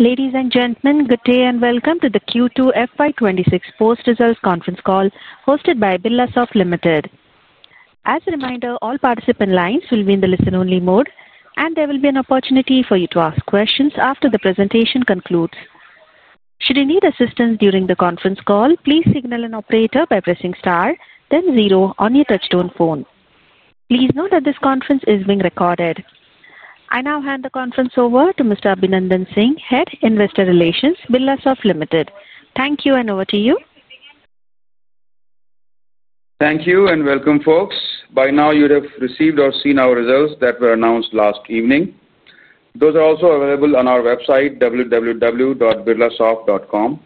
Ladies and gentlemen, good day and welcome to the Q2 FY 2026 post results conference call hosted by Birlasoft Limited. As a reminder, all participant lines will be in the listen-only mode, and there will be an opportunity for you to ask questions after the presentation concludes. Should you need assistance during the conference call, please signal an operator by pressing star, then zero on your touchstone phone. Please note that this conference is being recorded. I now hand the conference over to Mr. Abhinandan Singh, Head, Investor Relations, Birlasoft Limited. Thank you, and over to you. Thank you, and welcome, folks. By now, you'd have received or seen our results that were announced last evening. Those are also available on our website, www.birlasoft.com.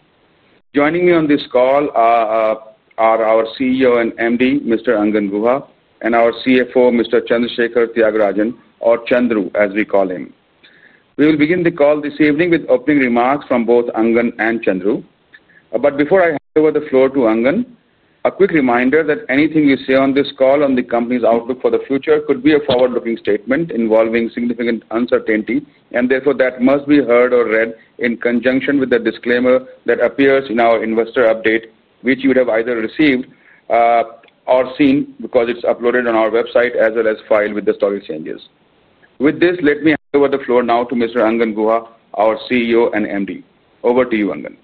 Joining me on this call are our CEO and MD, Mr. Angan Guha, and our CFO, Mr. Chandrasekar Thyagarajan, or Chandru, as we call him. We will begin the call this evening with opening remarks from both Angan and Chandru. Before I hand over the floor to Angan, a quick reminder that anything you say on this call on the company's outlook for the future could be a forward-looking statement involving significant uncertainty, and therefore that must be heard or read in conjunction with the disclaimer that appears in our investor update, which you would have either received or seen because it is uploaded on our website as well as filed with the stock exchanges. With this, let me hand over the floor now to Mr. Angan Guha, our CEO and MD. Over to you, Angan.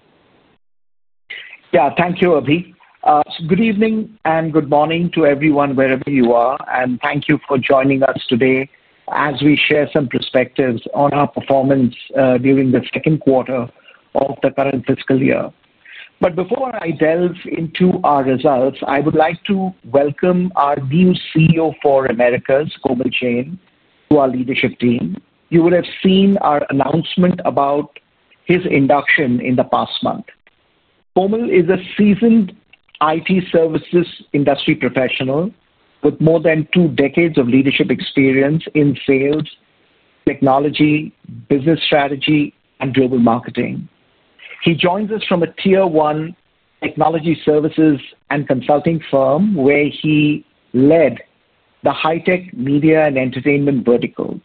Yeah, thank you, Abhi. Good evening and good morning to everyone, wherever you are, and thank you for joining us today as we share some perspectives on our performance during the second quarter of the current fiscal year. Before I delve into our results, I would like to welcome our new CEO for Americas, Komal Jain, to our leadership team. You would have seen our announcement about his induction in the past month. Komal is a seasoned IT services industry professional with more than two decades of leadership experience in sales, technology, business strategy, and global marketing. He joins us from a tier-one technology services and consulting firm where he led the high-tech media and entertainment vertical,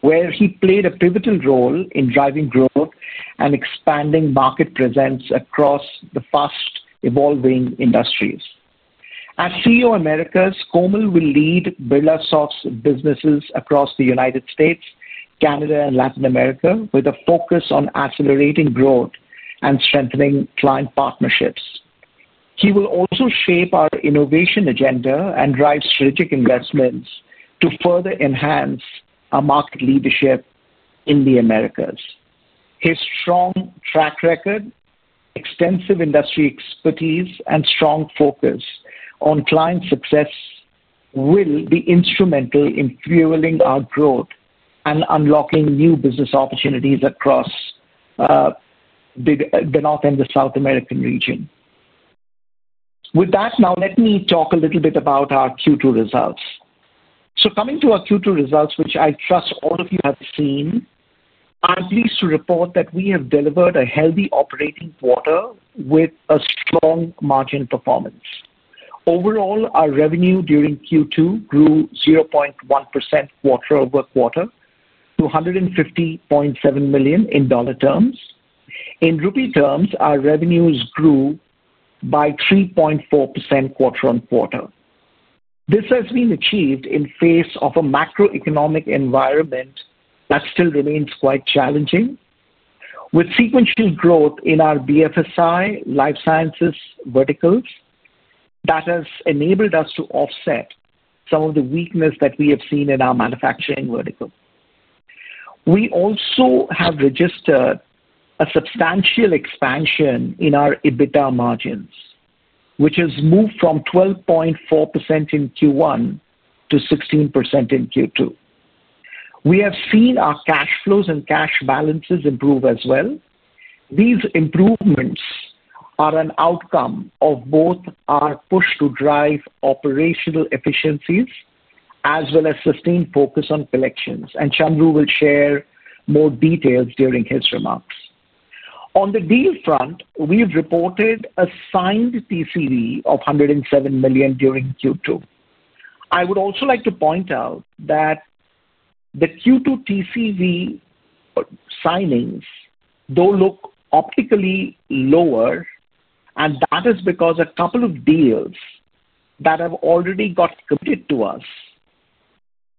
where he played a pivotal role in driving growth and expanding market presence across the fast-evolving industries. As CEO Americas, Komal will lead Birlasoft's businesses across the United States, Canada, and Latin America with a focus on accelerating growth and strengthening client partnerships. He will also shape our innovation agenda and drive strategic investments to further enhance our market leadership in the Americas. His strong track record, extensive industry expertise, and strong focus on client success will be instrumental in fueling our growth and unlocking new business opportunities across the North and the South American region. With that, now let me talk a little bit about our Q2 results. Coming to our Q2 results, which I trust all of you have seen, I'm pleased to report that we have delivered a healthy operating quarter with a strong margin performance. Overall, our revenue during Q2 grew 0.1% quarter-over-quarter to $150.7 million in dollar terms. In rupee terms, our revenues grew by 3.4% quarter on quarter. This has been achieved in the face of a macroeconomic environment that still remains quite challenging. With sequential growth in our BFSI life sciences verticals, that has enabled us to offset some of the weakness that we have seen in our manufacturing vertical. We also have registered a substantial expansion in our EBITDA margins, which has moved from 12.4% in Q1 to 16% in Q2. We have seen our cash flows and cash balances improve as well. These improvements are an outcome of both our push to drive operational efficiencies as well as sustained focus on collections, and Chandru will share more details during his remarks. On the deal front, we've reported a signed TCV of $107 million during Q2. I would also like to point out that the Q2 TCV. Signings, though look optically lower, and that is because a couple of deals that have already got committed to us.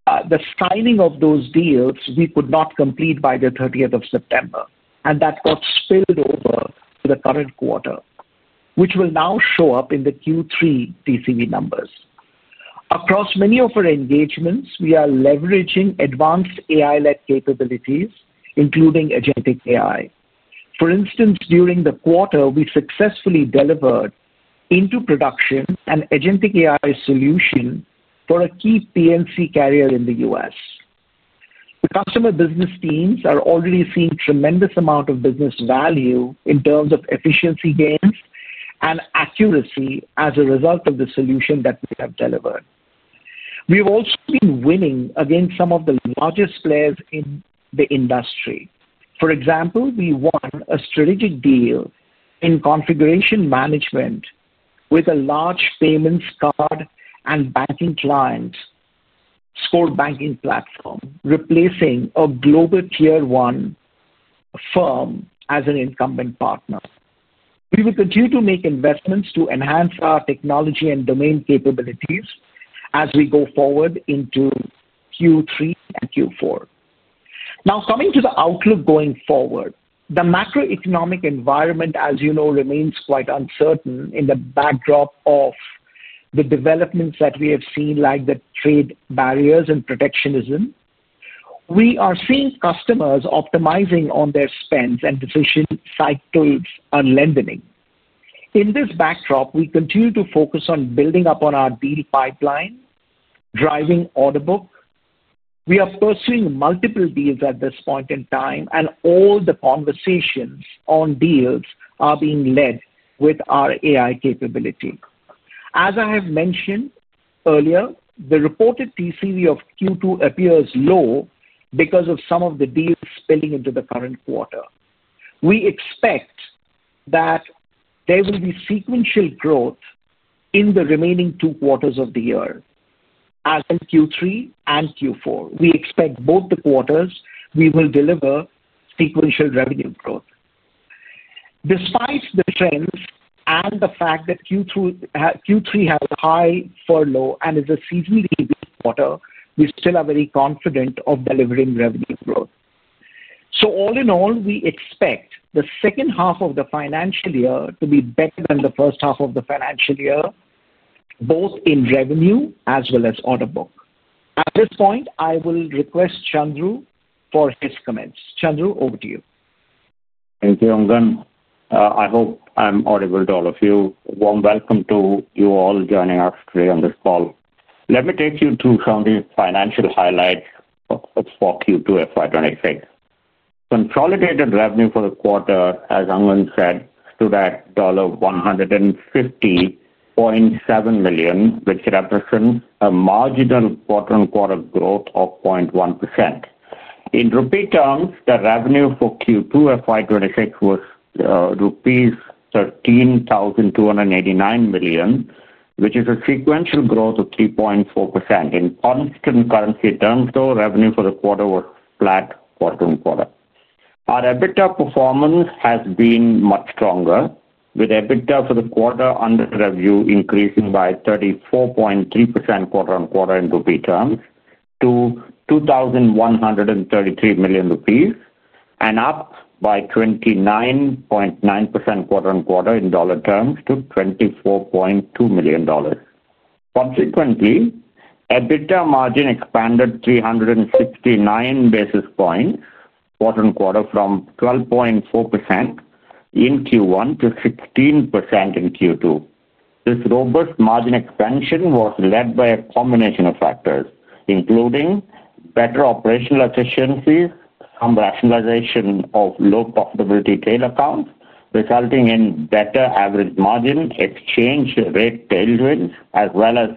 The signing of those deals we could not complete by the 30th of September, and that got spilled over to the current quarter, which will now show up in the Q3 TCV numbers. Across many of our engagements, we are leveraging advanced AI-led capabilities, including agentic AI. For instance, during the quarter, we successfully delivered into production an agentic AI solution for a key PNC carrier in the U.S. The customer business teams are already seeing a tremendous amount of business value in terms of efficiency gains and accuracy as a result of the solution that we have delivered. We've also been winning against some of the largest players in the industry. For example, we won a strategic deal in configuration management with a large payments card and banking client. Scored banking platform, replacing a global tier-one firm as an incumbent partner. We will continue to make investments to enhance our technology and domain capabilities as we go forward into Q3 and Q4. Now, coming to the outlook going forward, the macroeconomic environment, as you know, remains quite uncertain in the backdrop of the developments that we have seen, like the trade barriers and protectionism. We are seeing customers optimizing on their spends and decision cycles on lending. In this backdrop, we continue to focus on building up on our deal pipeline, driving order book. We are pursuing multiple deals at this point in time, and all the conversations on deals are being led with our AI capability. As I have mentioned earlier, the reported TCV of Q2 appears low because of some of the deals spilling into the current quarter. We expect that. There will be sequential growth in the remaining two quarters of the year, as in Q3 and Q4. We expect both the quarters we will deliver sequential revenue growth. Despite the trends and the fact that Q3 has high furlough and is a seasonally busy quarter, we still are very confident of delivering revenue growth. All in all, we expect the second half of the financial year to be better than the first half of the financial year, both in revenue as well as order book. At this point, I will request Chandru for his comments. Chandru, over to you. Thank you, Angan. I hope I'm audible to all of you. Warm welcome to you all joining us today on this call. Let me take you through some of the financial highlights for Q2 FY 2026. Consolidated revenue for the quarter, as Angan said, stood at $150.7 million, which represents a marginal quarter-on-quarter growth of 0.1%. In rupee terms, the revenue for Q2 FY 2026 was rupees 13,289 million, which is a sequential growth of 3.4%. In constant currency terms, though, revenue for the quarter was flat quarter on quarter. Our EBITDA performance has been much stronger, with EBITDA for the quarter under review increasing by 34.3% quarter on quarter in rupee terms to 2,133 million rupees and up by 29.9% quarter on quarter in dollar terms to $24.2 million. Consequently, EBITDA margin expanded 369 basis points quarter on quarter from 12.4% in Q1 to 16% in Q2. This robust margin expansion was led by a combination of factors, including better operational efficiencies, some rationalization of low profitability tail accounts, resulting in better average margin, exchange rate tailwinds, as well as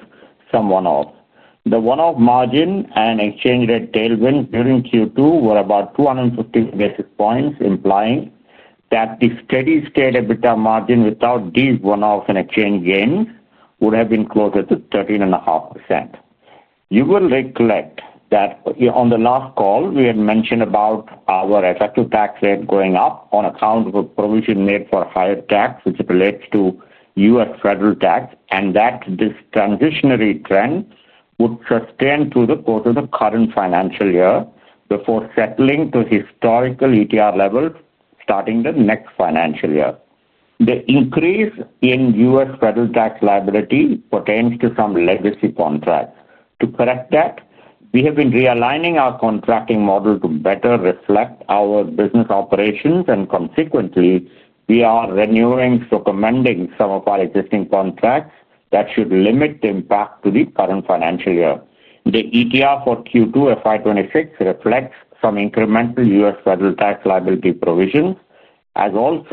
some one-offs. The one-off margin and exchange rate tailwinds during Q2 were about 250 basis points, implying that the steady-state EBITDA margin without these one-offs and exchange gains would have been closer to 13.5%. You will recollect that on the last call, we had mentioned about our effective tax rate going up on account of a provision made for higher tax, which relates to U.S. federal tax, and that this transitionary trend would sustain through the course of the current financial year before settling to historical ETR levels starting the next financial year. The increase in U.S. federal tax liability pertains to some legacy contracts. To correct that, we have been realigning our contracting model to better reflect our business operations, and consequently, we are renewing or commending some of our existing contracts that should limit the impact to the current financial year. The ETR for Q2 FY 2026 reflects some incremental U.S. federal tax liability provisions, as well as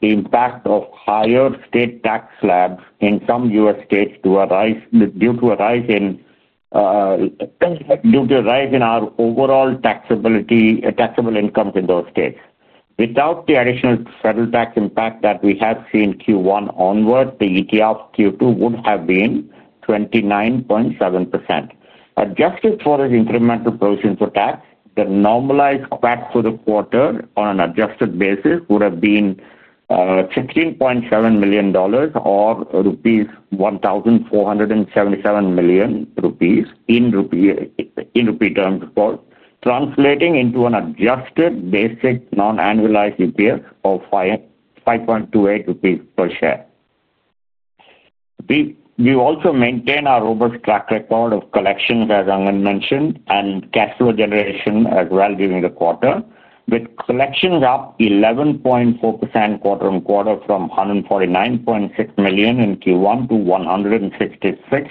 the impact of higher state tax slabs in some U.S. states due to a rise in our overall taxable incomes in those states. Without the additional federal tax impact that we have seen Q1 onward, the ETR for Q2 would have been 29.7%. Adjusted for the incremental provisions for tax, the normalized PAC for the quarter on an adjusted basis would have been $16.7 million or 1,477 million rupees in rupee terms, of course, translating into an adjusted basic non-annualized EPS of $5.28 per share. We also maintain our robust track record of collections, as Angan mentioned, and cash flow generation as well during the quarter, with collections up 11.4% quarter on quarter from $149.6 million in Q1 to $166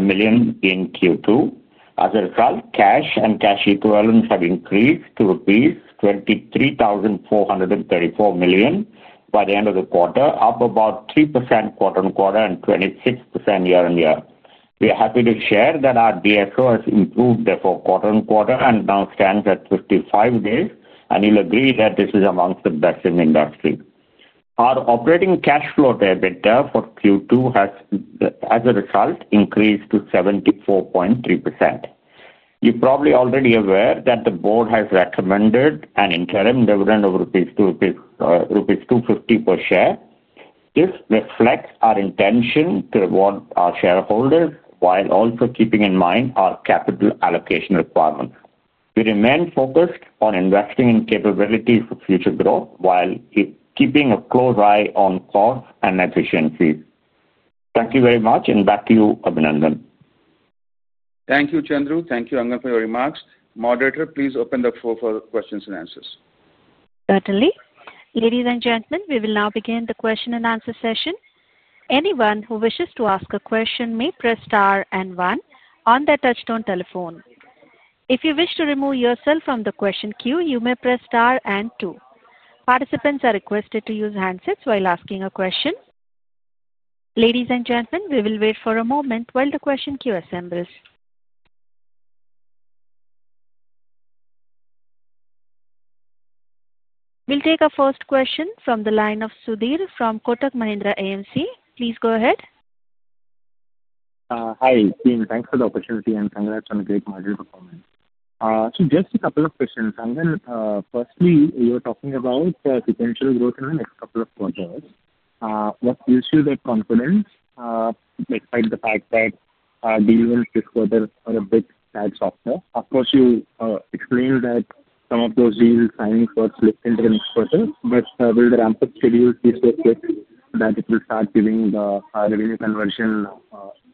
million in Q2. As a result, cash and cash equivalents have increased to rupees 23,434 million by the end of the quarter, up about 3% quarter on quarter and 26% year on year. We are happy to share that our DFO has improved therefore quarter on quarter and now stands at 55 days, and you'll agree that this is amongst the best in the industry. Our operating cash flow to EBITDA for Q2 has, as a result, increased to 74.3%. You're probably already aware that the board has recommended an interim dividend of 2.50 rupees per share. This reflects our intention to reward our shareholders while also keeping in mind our capital allocation requirements. We remain focused on investing in capabilities for future growth while keeping a close eye on costs and efficiencies. Thank you very much, and back to you, Abhinandan. Thank you, Chandru. Thank you, Angan, for your remarks. Moderator, please open the floor for questions and answers. Certainly. Ladies and gentlemen, we will now begin the question and answer session. Anyone who wishes to ask a question may press star and one on their touchstone telephone. If you wish to remove yourself from the question queue, you may press star and two. Participants are requested to use handsets while asking a question. Ladies and gentlemen, we will wait for a moment while the question queue assembles. We'll take our first question from the line of Sudheer from Kotak Mahindra AMC. Please go ahead. Hi. Thanks for the opportunity and congrats on a great margin performance. Just a couple of questions. Angan, firstly, you were talking about sequential growth in the next couple of quarters. What gives you that confidence? Despite the fact that deals in fifth quarter are a bit bad software? Of course, you explained that some of those deals signing for slipped into the next quarter, but will the ramp-up schedule be so quick that it will start giving the revenue conversion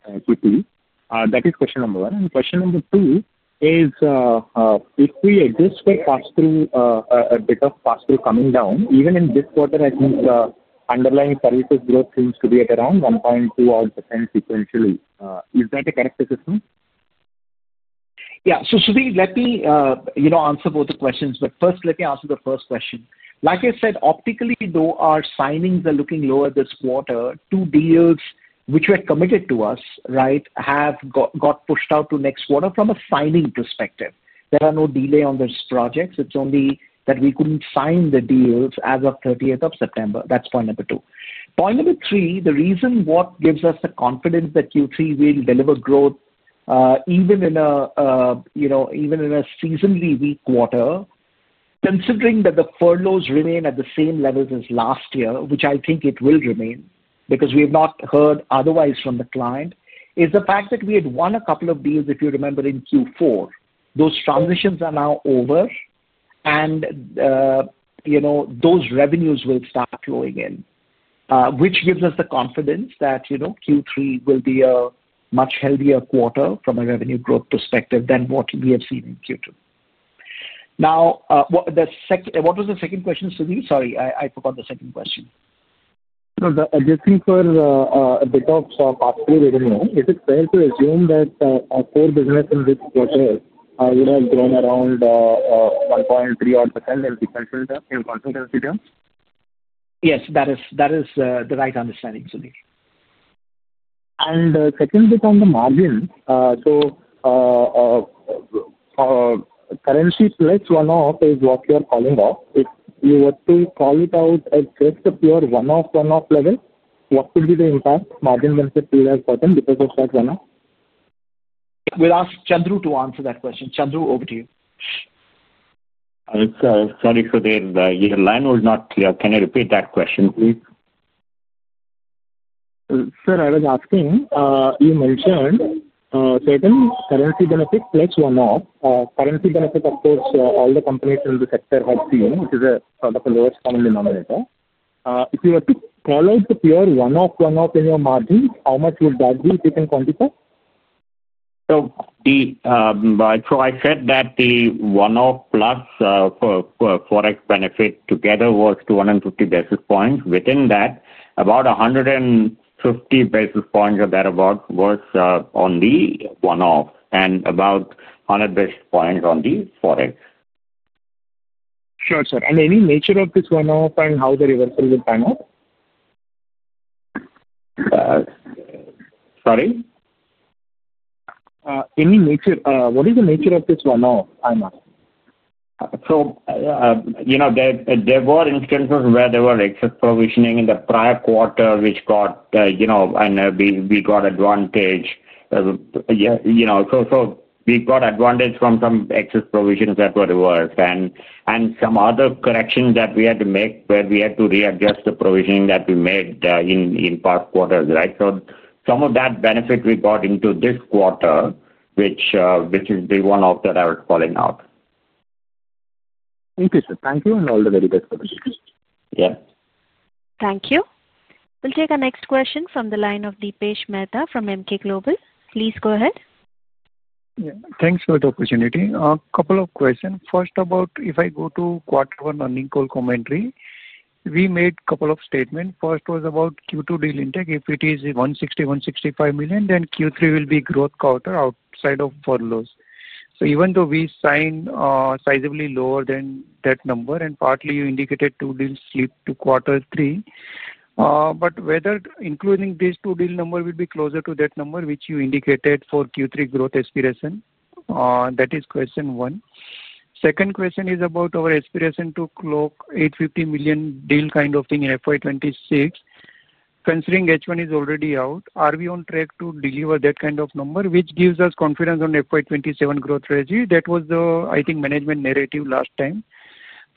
Q2? That is question number one. Question number two is, if we adjust for past through, a bit of past through coming down, even in this quarter, I think the underlying services growth seems to be at around 1.2% sequentially. Is that a correct assessment? Yeah. Sudheer, let me answer both the questions, but first, let me answer the first question. Like I said, optically, though, our signings are looking lower this quarter. Two deals, which were committed to us, have got pushed out to next quarter from a signing perspective. There are no delays on those projects. It's only that we couldn't sign the deals as of 30th of September. That's point number two. Point number three, the reason what gives us the confidence that Q3 will deliver growth, even in a seasonally weak quarter, considering that the furloughs remain at the same levels as last year, which I think it will remain because we have not heard otherwise from the client, is the fact that we had won a couple of deals, if you remember, in Q4. Those transitions are now over. Those revenues will start flowing in. Which gives us the confidence that Q3 will be a much healthier quarter from a revenue growth perspective than what we have seen in Q2. Now, what was the second question, Sudheer? Sorry, I forgot the second question. Adjusting for a bit of pass-through revenue, is it fair to assume that our core business in this quarter would have grown around 1.3% in sequential incremental terms? Yes, that is the right understanding, Sudheer. Second bit on the margin, so currency plus one-off is what you're calling off. If you were to call it out at just a pure one-off, one-off level, what would be the impact? Margin benefit will have gotten because of that one-off? We'll ask Chandru to answer that question. Chandru, over to you. Sorry, Sudheer, your line was not clear. Can you repeat that question, please? Sir, I was asking, you mentioned certain currency benefit plus one-off. Currency benefit, of course, all the companies in the sector have seen, which is a sort of a lower common denominator. If you were to call out the pure one-off, one-off in your margins, how much would that be if you can quantify? I said that the one-off plus forex benefit together was 250 basis points. Within that, about 150 basis points or thereabouts was on the one-off and about 100 basis points on the forex. Sure, sir. Any nature of this one-off and how the reversal will pan out? Sorry? What is the nature of this one-off, I'm asking? There were instances where there were excess provisioning in the prior quarter, which got, and we got advantage. We got advantage from some excess provisions that were reversed, and some other corrections that we had to make where we had to readjust the provisioning that we made in past quarters, right? Some of that benefit we got into this quarter, which is the one-off that I was calling out. Okay, sir. Thank you and all the very best for the day. Yeah. Thank you. We'll take our next question from the line of Dipesh Mehta from Emkay Global. Please go ahead. Thanks for the opportunity. A couple of questions. First about if I go to quarter one earnings call commentary, we made a couple of statements. First was about Q2 deal intake. If it is $160 million-$165 million, then Q3 will be growth quarter outside of furloughs. Even though we signed sizably lower than that number, and partly you indicated two deals slipped to quarter three, whether including these two deal numbers will be closer to that number, which you indicated for Q3 growth expiration, that is question one. Second question is about our expiration to clock $850 million deal kind of thing in FY 2026. Considering H1 is already out, are we on track to deliver that kind of number, which gives us confidence on FY 2027 growth regime? That was the, I think, management narrative last time.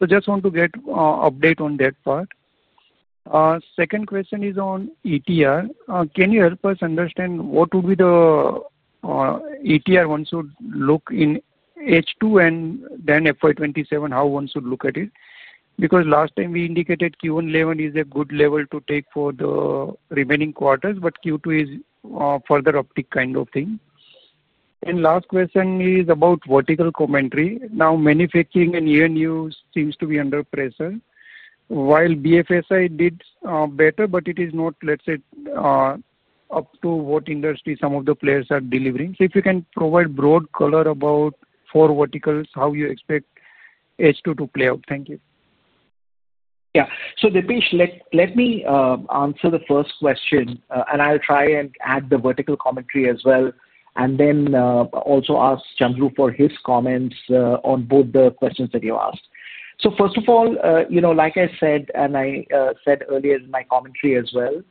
Just want to get an update on that part. Second question is on ETR. Can you help us understand what would be the ETR one should look in H2 and then FY 2027, how one should look at it? Because last time we indicated Q1 level is a good level to take for the remaining quarters, but Q2 is further optic kind of thing. Last question is about vertical commentary. Now, manufacturing and E&U seems to be under pressure. While BFSI did better, but it is not, let's say, up to what industry some of the players are delivering. If you can provide broad color about four verticals, how you expect H2 to play out. Thank you. Yeah. Dipesh, let me answer the first question, and I'll try and add the vertical commentary as well, and then also ask Chandru for his comments on both the questions that you asked. First of all, like I said, and I said earlier in my commentary as well,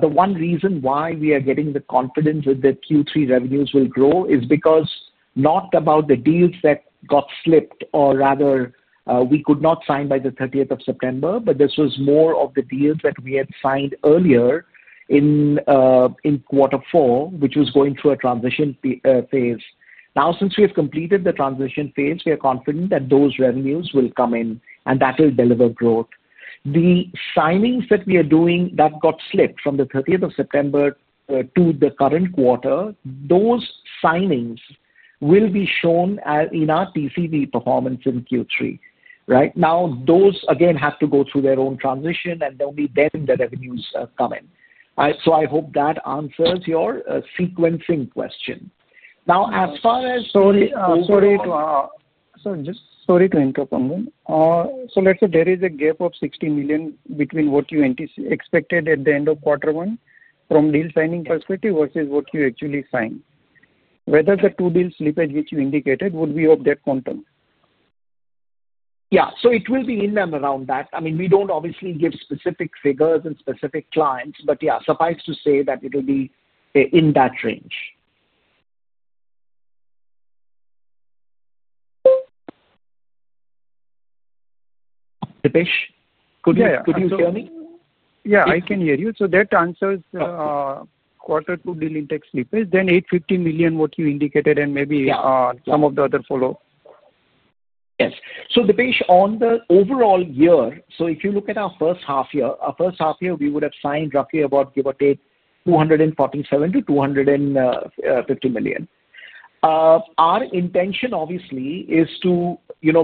the one reason why we are getting the confidence that the Q3 revenues will grow is because not about the deals that got slipped, or rather we could not sign by the 30th of September, but this was more of the deals that we had signed earlier in quarter four, which was going through a transition phase. Now, since we have completed the transition phase, we are confident that those revenues will come in, and that will deliver growth. The signings that we are doing that got slipped from the 30th of September. To the current quarter, those signings will be shown in our TCV performance in Q3, right? Now, those, again, have to go through their own transition, and only then the revenues come in. I hope that answers your sequencing question. Now, as far as. Sorry. Sorry to interrupt, Angan. Let's say there is a gap of $60 million between what you expected at the end of quarter one from a deal signing perspective versus what you actually signed. Whether the two deals slippage, which you indicated, would be of that quantum? Yeah. So it will be in and around that. I mean, we do not obviously give specific figures and specific clients, but yeah, suffice to say that it will be in that range. Dipesh, could you hear me? Yeah, I can hear you. So that answers. Quarter two deal intake slippage, then $850 million what you indicated, and maybe some of the other follow-up. Yes. Dipesh, on the overall year, if you look at our first half year, our first half year, we would have signed roughly about, give or take, $247 million-$250 million. Our intention, obviously, is to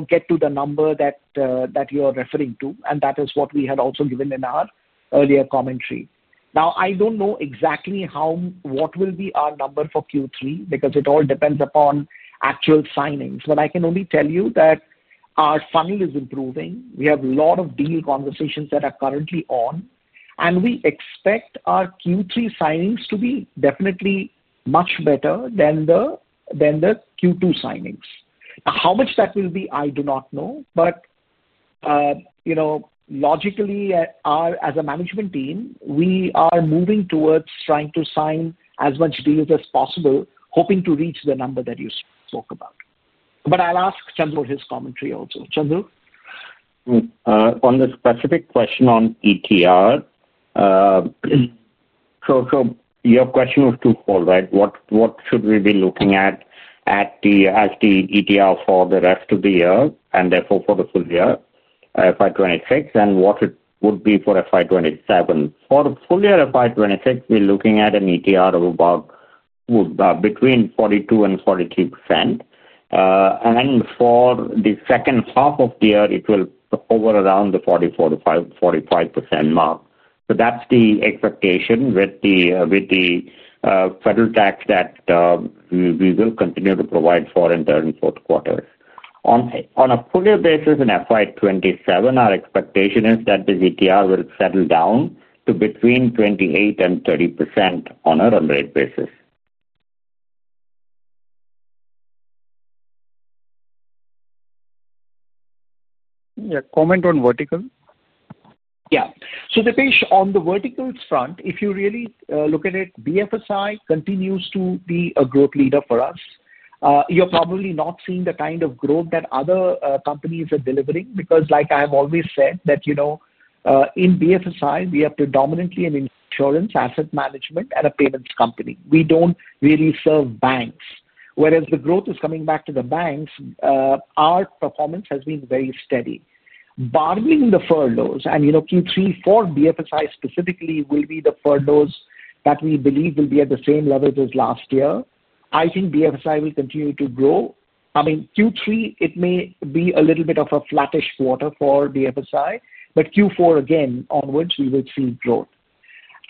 get to the number that you are referring to, and that is what we had also given in our earlier commentary. Now, I do not know exactly what will be our number for Q3 because it all depends upon actual signings, but I can only tell you that our funnel is improving. We have a lot of deal conversations that are currently on, and we expect our Q3 signings to be definitely much better than the Q2 signings. Now, how much that will be, I do not know, but. Logically, as a management team, we are moving towards trying to sign as many deals as possible, hoping to reach the number that you spoke about. I'll ask Chandru for his commentary also. Chandru? On the specific question on ETR. Your question was twofold, right? What should we be looking at as the ETR for the rest of the year and therefore for the full year, FY 2026, and what it would be for FY 2027? For the full year FY 2026, we're looking at an ETR of about between 42%-43%. For the second half of the year, it will hover around the 44%-45% mark. That's the expectation with the federal tax that we will continue to provide for in the third and fourth quarters. On a full year basis in FY 2027, our expectation is that this ETR will settle down to between 28%-30% on a run rate basis. Yeah. Comment on vertical? Yeah. So Dipesh, on the verticals front, if you really look at it, BFSI continues to be a growth leader for us. You're probably not seeing the kind of growth that other companies are delivering because, like I have always said, that. In BFSI, we are predominantly an insurance asset management and a payments company. We do not really serve banks. Whereas the growth is coming back to the banks. Our performance has been very steady. Bargaining the furloughs and Q3 for BFSI specifically will be the furloughs that we believe will be at the same levels as last year. I think BFSI will continue to grow. I mean, Q3, it may be a little bit of a flattish quarter for BFSI, but Q4, again, onwards, we will see growth.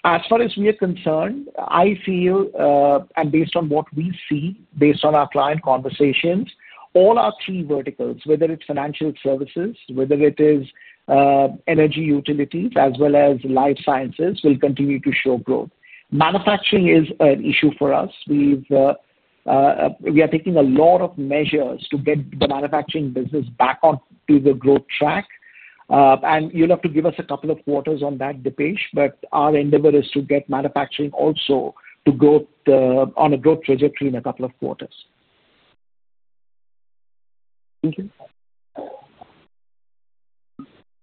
As far as we are concerned, I feel, and based on what we see, based on our client conversations, all our three verticals, whether it's financial services, whether it is energy utilities, as well as life sciences, will continue to show growth. Manufacturing is an issue for us. We are taking a lot of measures to get the manufacturing business back onto the growth track. You will have to give us a couple of quarters on that, Dipesh, but our endeavor is to get manufacturing also to grow on a growth trajectory in a couple of quarters. Thank you.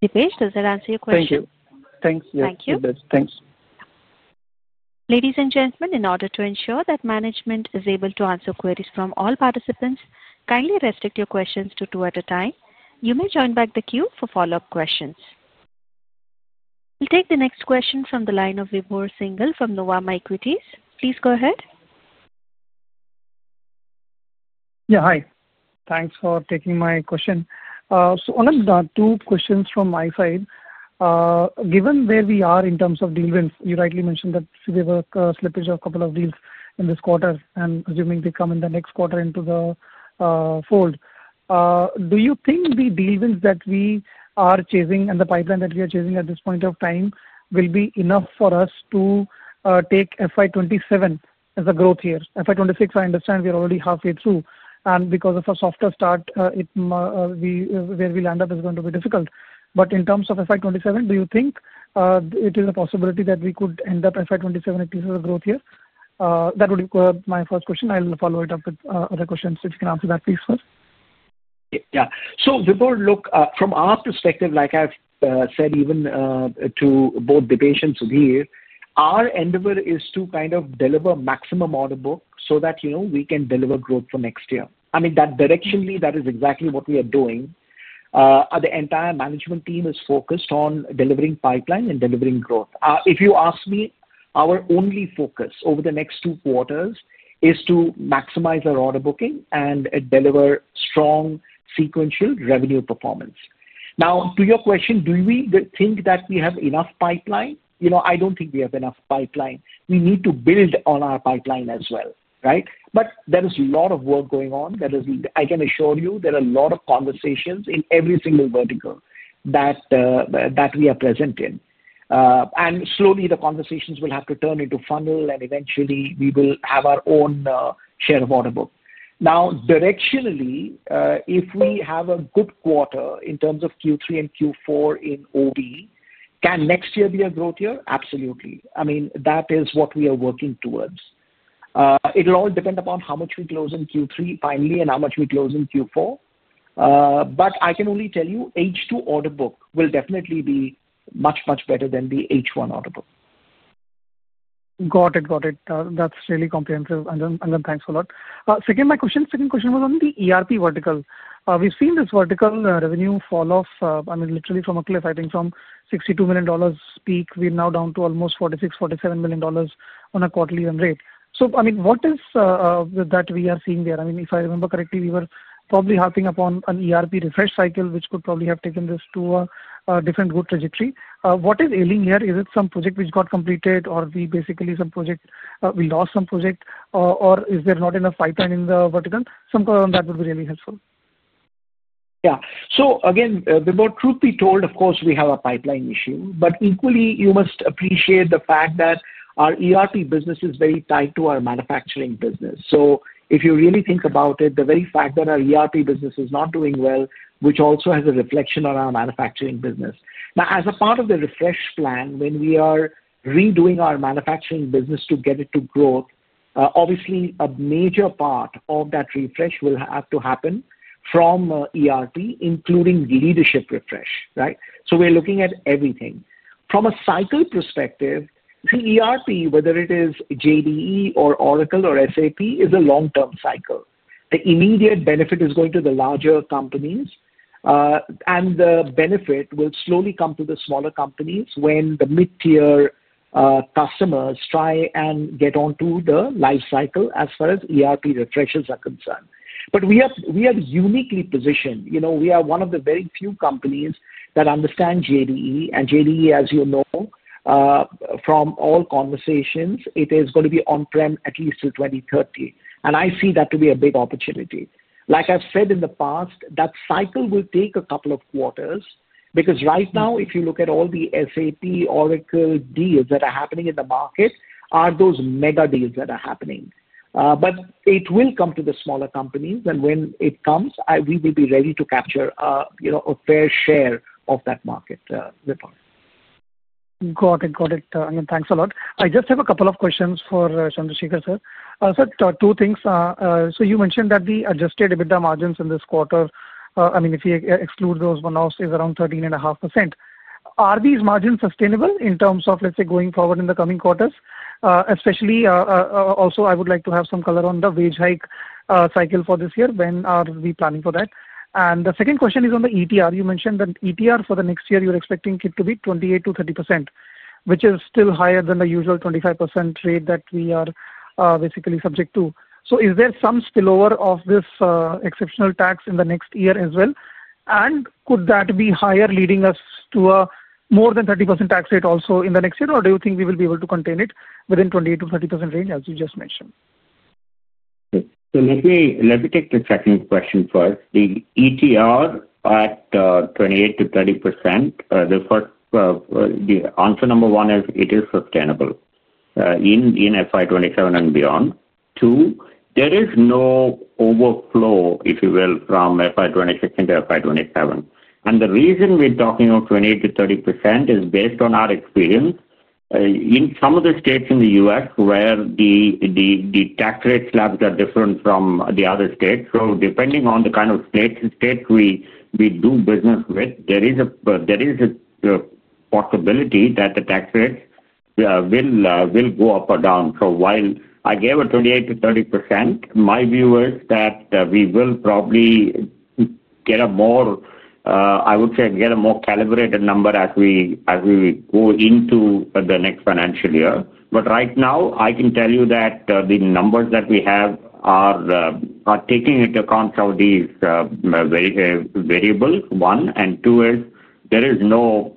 Dipesh, does that answer your question? Thank you. Thanks. Yes. Thank you. Thanks. Ladies and gentlemen, in order to ensure that management is able to answer queries from all participants, kindly restrict your questions to two at a time. You may join back the queue for follow-up questions. We'll take the next question from the line of Vibhor Singhal from Nuvama Equities. Please go ahead. Yeah. Hi. Thanks for taking my question. So one of the two questions from my side. Given where we are in terms of deal wins, you rightly mentioned that we have a slippage of a couple of deals in this quarter, and assuming they come in the next quarter into the fold. Do you think the deal wins that we are chasing and the pipeline that we are chasing at this point of time will be enough for us to take FY 2027 as a growth year? FY 2026, I understand we are already halfway through, and because of a softer start, where we land up is going to be difficult. In terms of FY 2027, do you think it is a possibility that we could end up FY 2027 at least as a growth year? That would be my first question. I'll follow it up with other questions. If you can answer that, please, first. Yeah. From our perspective, like I've said even to both Dipesh and Sudheer, our endeavor is to kind of deliver maximum order book so that we can deliver growth for next year. I mean, that directionally, that is exactly what we are doing. The entire management team is focused on delivering pipeline and delivering growth. If you ask me, our only focus over the next two quarters is to maximize our order booking and deliver strong sequential revenue performance. Now, to your question, do we think that we have enough pipeline? I don't think we have enough pipeline. We need to build on our pipeline as well, right? There is a lot of work going on. I can assure you there are a lot of conversations in every single vertical that we are present in. Slowly, the conversations will have to turn into funnel, and eventually, we will have our own share of order book. Now, directionally, if we have a good quarter in terms of Q3 and Q4 in OB, can next year be a growth year? Absolutely. I mean, that is what we are working towards. It will all depend upon how much we close in Q3 finally and how much we close in Q4. I can only tell you H2 order book will definitely be much, much better than the H1 order book. Got it. Got it. That's really comprehensive. Angan, thanks a lot. Second question. Second question was on the ERP vertical. We've seen this vertical revenue fall off, I mean, literally from a cliff, I think, from $62 million peak. We're now down to almost $46 million-$47 million on a quarterly run rate. I mean, what is that we are seeing there? I mean, if I remember correctly, we were probably hopping upon an ERP refresh cycle, which could probably have taken this to a different good trajectory. What is ailing here? Is it some project which got completed, or we basically some project we lost, some project, or is there not enough pipeline in the vertical? Some comment on that would be really helpful. Yeah. So again, to be truth be told, of course, we have a pipeline issue, but equally, you must appreciate the fact that our ERP business is very tied to our manufacturing business. If you really think about it, the very fact that our ERP business is not doing well, which also has a reflection on our manufacturing business. Now, as a part of the refresh plan, when we are redoing our manufacturing business to get it to growth, obviously, a major part of that refresh will have to happen from ERP, including leadership refresh, right? We are looking at everything. From a cycle perspective, the ERP, whether it is JDE or Oracle or SAP, is a long-term cycle. The immediate benefit is going to the larger companies. The benefit will slowly come to the smaller companies when the mid-tier. Customers try and get onto the life cycle as far as ERP refreshes are concerned. We are uniquely positioned. We are one of the very few companies that understand JDE. And JDE, as you know, from all conversations, it is going to be on-prem at least till 2030. I see that to be a big opportunity. Like I've said in the past, that cycle will take a couple of quarters because right now, if you look at all the SAP, Oracle deals that are happening in the market, those are mega deals that are happening. It will come to the smaller companies. When it comes, we will be ready to capture a fair share of that market. Got it. Got it. Angan, thanks a lot. I just have a couple of questions for Chandrasekar sir. Two things. You mentioned that we adjusted EBITDA margins in this quarter. I mean, if you exclude those one-offs, it's around 13.5%. Are these margins sustainable in terms of, let's say, going forward in the coming quarters? Especially, also, I would like to have some color on the wage hike cycle for this year. When are we planning for that? The second question is on the ETR. You mentioned that ETR for the next year, you're expecting it to be 28%-30%, which is still higher than the usual 25% rate that we are basically subject to. Is there some spillover of this exceptional tax in the next year as well? Could that be higher, leading us to a more than 30% tax rate also in the next year, or do you think we will be able to contain it within the 28%-30% range, as you just mentioned? Let me take the second question first. The ETR at 28%-30%. The answer number one is it is sustainable in FY 2027 and beyond. Two, there is no overflow, if you will, from FY 2026 into FY 2027. The reason we're talking of 28%-30% is based on our experience in some of the states in the U.S. where the tax rate slabs are different from the other states. Depending on the kind of state we do business with, there is a possibility that the tax rates will go up or down. While I gave a 28%-30%, my view is that we will probably get a more, I would say, get a more calibrated number as we go into the next financial year. Right now, I can tell you that the numbers that we have are taking into account some of these variables. One and two is there is no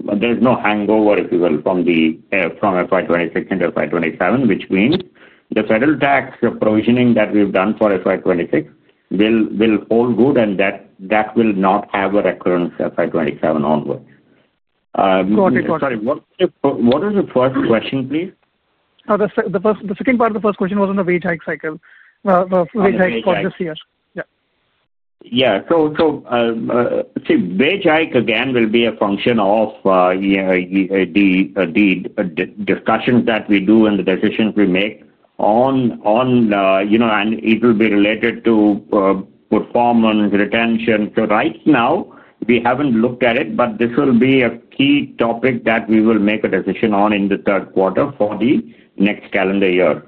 hangover, if you will, from FY 2026 into FY 2027, which means the federal tax provisioning that we've done for FY 2026 will hold good, and that will not have a recurrence FY 2027 onwards. Got it. Got it. Sorry. What was the first question, please? Oh, the second part of the first question was on the wage hike cycle. Wage hike for this year. Yeah. Yeah. So, wage hike, again, will be a function of the discussions that we do and the decisions we make on. And it will be related to performance, retention. So right now, we haven't looked at it, but this will be a key topic that we will make a decision on in the third quarter for the next calendar year.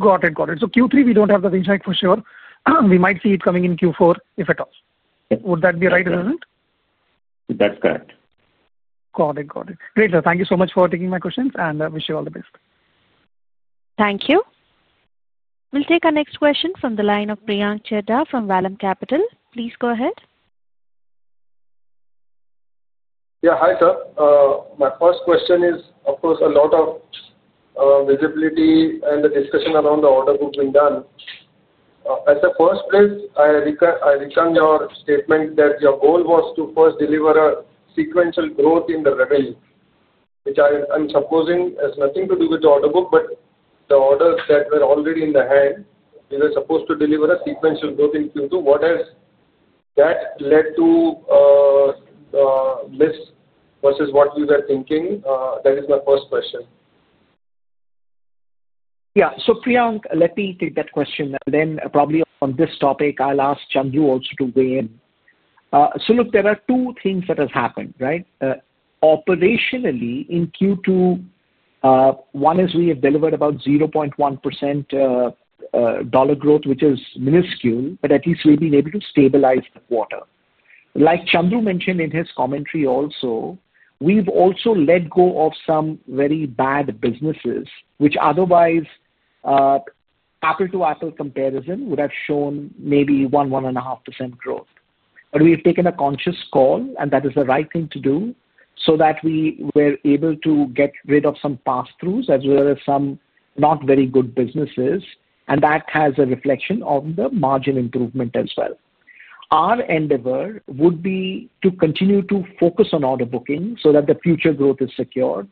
Got it. Got it. Q3, we do not have the wage hike for sure. We might see it coming in Q4, if at all. Would that be right, is it not? That's correct. Got it. Got it. Great. Thank you so much for taking my questions, and I wish you all the best. Thank you. We'll take our next question from the line of Priyank Chheda from Vallumm Capital. Please go ahead. Yeah. Hi, sir. My first question is, of course, a lot of visibility and the discussion around the order book being done. As a first place, I recall your statement that your goal was to first deliver a sequential growth in the revenue, which I'm supposing has nothing to do with the order book, but the orders that were already in the hand, we were supposed to deliver a sequential growth in Q2. What has that led to? This versus what we were thinking? That is my first question. Yeah. Priyank, let me take that question. Then probably on this topic, I'll ask Chandru also to weigh in. Look, there are two things that have happened, right? Operationally, in Q2. One is we have delivered about 0.1% dollar growth, which is minuscule, but at least we've been able to stabilize the quarter. Like Chandru mentioned in his commentary also, we've also let go of some very bad businesses, which otherwise, apple-to-apple comparison would have shown maybe 1%-1.5% growth. We've taken a conscious call, and that is the right thing to do so that we were able to get rid of some pass-throughs as well as some not very good businesses. That has a reflection on the margin improvement as well. Our endeavor would be to continue to focus on order booking so that the future growth is secured.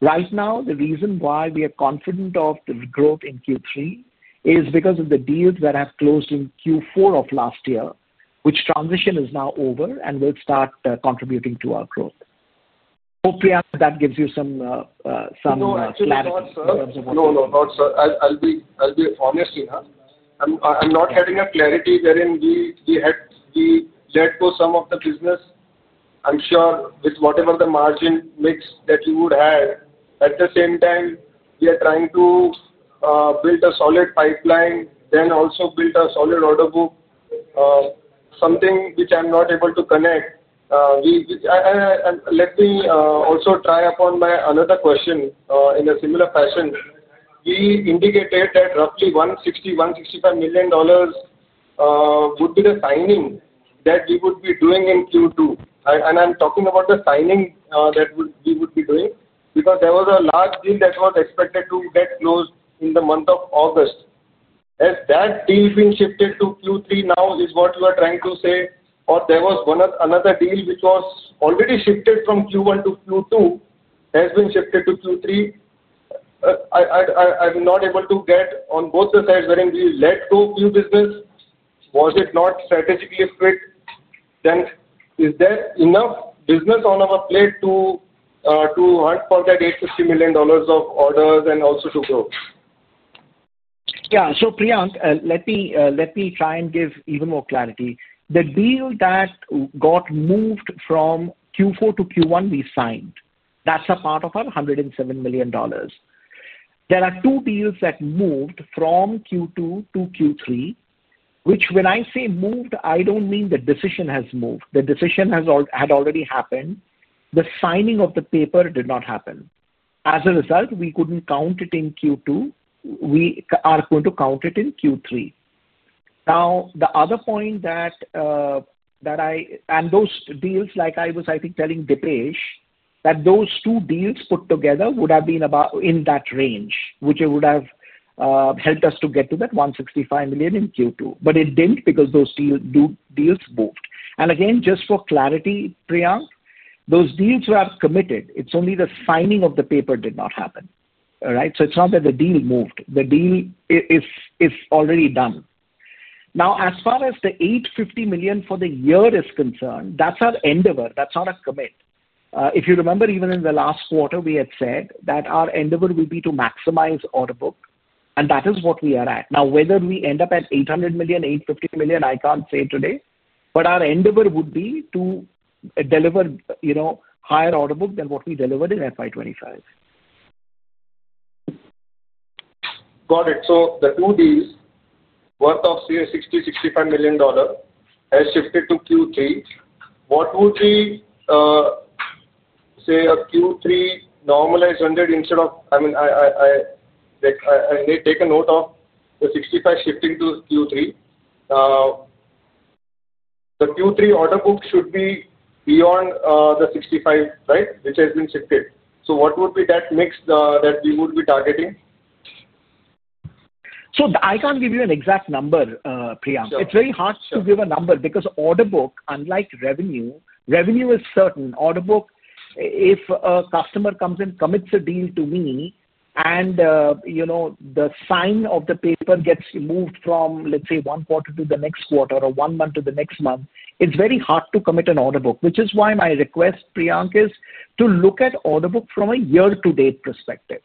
Right now, the reason why we are confident of the growth in Q3 is because of the deals that have closed in Q4 of last year, which transition is now over and will start contributing to our growth. Hopefully, that gives you some. No, no, no. Sir, I'll be honest enough. I'm not having a clarity wherein we let go some of the business. I'm sure with whatever the margin mix that you would have. At the same time, we are trying to build a solid pipeline, then also build a solid order book. Something which I'm not able to connect. Let me also try upon my another question in a similar fashion. We indicated that roughly $160 million-$165 million would be the signing that we would be doing in Q2. And I'm talking about the signing that we would be doing because there was a large deal that was expected to get closed in the month of August. Has that deal been shifted to Q3 now is what you are trying to say? There was another deal which was already shifted from Q1 to Q2, has been shifted to Q3? I'm not able to get on both the sides wherein we let go a few business. Was it not strategically fit? Is there enough business on our plate to hunt for that $850 million of orders and also to grow? Yeah. Priyank, let me try and give even more clarity. The deal that got moved from Q4 to Q1 we signed, that's a part of our $107 million. There are two deals that moved from Q2 to Q3, which when I say moved, I do not mean the decision has moved. The decision had already happened. The signing of the paper did not happen. As a result, we could not count it in Q2. We are going to count it in Q3. Now, the other point that. I and those deals, like I was, I think, telling Dipesh, that those two deals put together would have been in that range, which would have helped us to get to that $165 million in Q2. It did not because those deals moved. Just for clarity, Priyank, those deals were committed. It is only the signing of the paper did not happen, right? It is not that the deal moved. The deal is already done. Now, as far as the $850 million for the year is concerned, that is our endeavor. That is not a commit. If you remember, even in the last quarter, we had said that our endeavor would be to maximize order book, and that is what we are at. Now, whether we end up at $800 million, $850 million, I cannot say today. Our endeavor would be to deliver a higher order book than what we delivered in FY 2025. Got it. So the two deals, worth of $60 million-$65 million, has shifted to Q3. What would be, say, a Q3 normalized $100 million instead of, I mean, I may take a note of the $65 million shifting to Q3. The Q3 order book should be beyond the $65 million, right, which has been shifted. What would be that mix that we would be targeting? I can't give you an exact number, Priyank. It's very hard to give a number because order book, unlike revenue, revenue is certain. Order book, if a customer comes and commits a deal to me and the sign of the paper gets moved from, let's say, one quarter to the next quarter or one month to the next month, it's very hard to commit an order book. Which is why my request, Priyank, is to look at order book from a year-to-date perspective.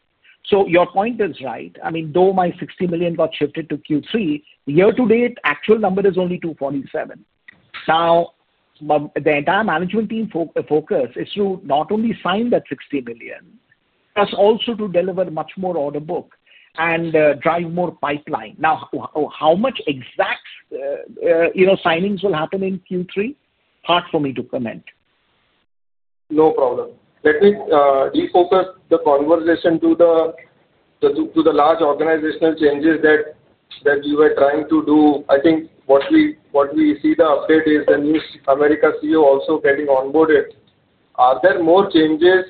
Your point is right. I mean, though my $60 million got shifted to Q3, year-to-date, actual number is only $247 million. Now, the entire management team focus is to not only sign that $60 million. That's also to deliver much more order book and drive more pipeline. How much exact signings will happen in Q3? Hard for me to comment. No problem. Let me refocus the conversation to the large organizational changes that you were trying to do. I think what we see the update is the new Americas CEO also getting onboarded. Are there more changes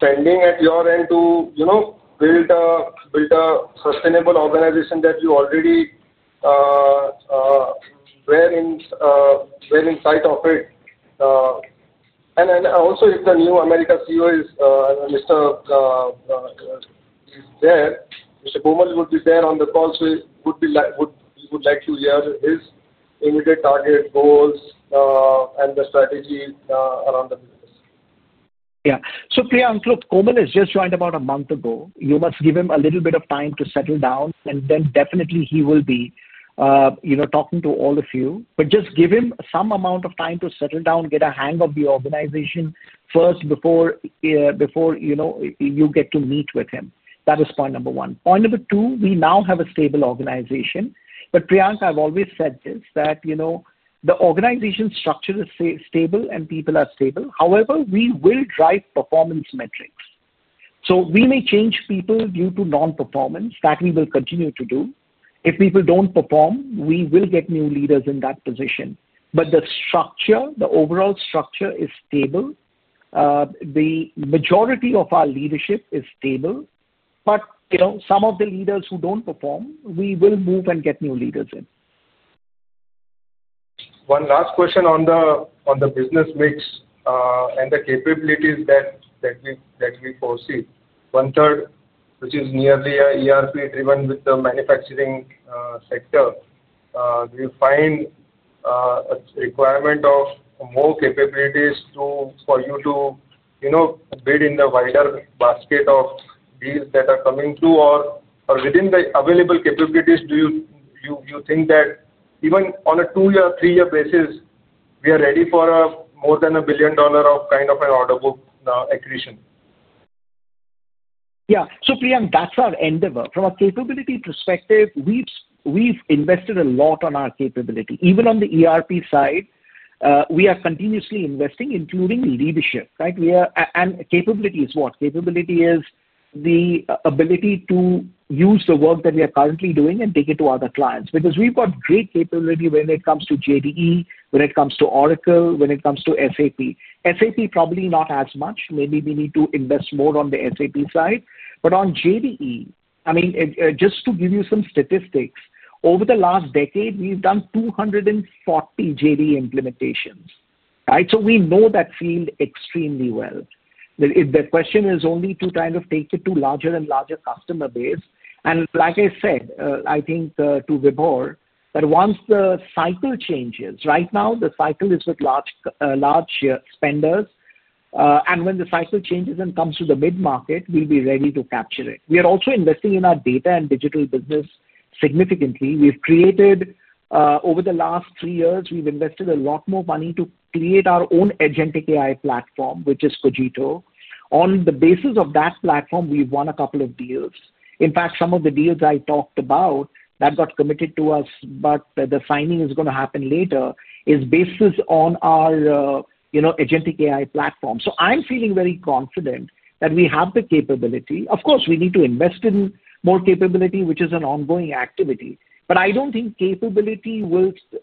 pending at your end to build a sustainable organization that you already were in sight of it? Also, if the new Americas CEO is Mr. Komal would be there on the call, we would like to hear his immediate target goals and the strategy around the business. Yeah. So Priyank, look, Komal has just joined about a month ago. You must give him a little bit of time to settle down, and then definitely he will be talking to all of you. Just give him some amount of time to settle down, get a hang of the organization first before you get to meet with him. That is point number one. Point number two, we now have a stable organization. Priyank, I have always said this, that the organization structure is stable and people are stable. However, we will drive performance metrics. We may change people due to non-performance. That we will continue to do. If people do not perform, we will get new leaders in that position. The structure, the overall structure is stable. The majority of our leadership is stable. Some of the leaders who don't perform, we will move and get new leaders in. One last question on the business mix and the capabilities that we foresee. One third, which is nearly ERP-driven with the manufacturing sector. Do you find a requirement of more capabilities for you to bid in the wider basket of deals that are coming through? Or within the available capabilities, do you think that even on a two-year, three-year basis, we are ready for more than $1 billion of kind of an order book acquisition? Yeah. Priyank, that's our endeavor. From a capability perspective, we've invested a lot on our capability. Even on the ERP side, we are continuously investing, including leadership, right? Capability is what? Capability is the ability to use the work that we are currently doing and take it to other clients. Because we've got great capability when it comes to JDE, when it comes to Oracle, when it comes to SAP. SAP, probably not as much. Maybe we need to invest more on the SAP side. On JDE, I mean, just to give you some statistics, over the last decade, we've done 240 JDE implementations, right? We know that field extremely well. The question is only to kind of take it to larger and larger customer base. Like I said, I think to Vibhor that once the cycle changes, right now, the cycle is with large. Spenders. When the cycle changes and comes to the mid-market, we'll be ready to capture it. We are also investing in our data and digital business significantly. We've created, over the last three years, we've invested a lot more money to create our own agentic AI platform, which is Cogito. On the basis of that platform, we've won a couple of deals. In fact, some of the deals I talked about that got committed to us, but the signing is going to happen later, is based on our agentic AI platform. I'm feeling very confident that we have the capability. Of course, we need to invest in more capability, which is an ongoing activity. I don't think capability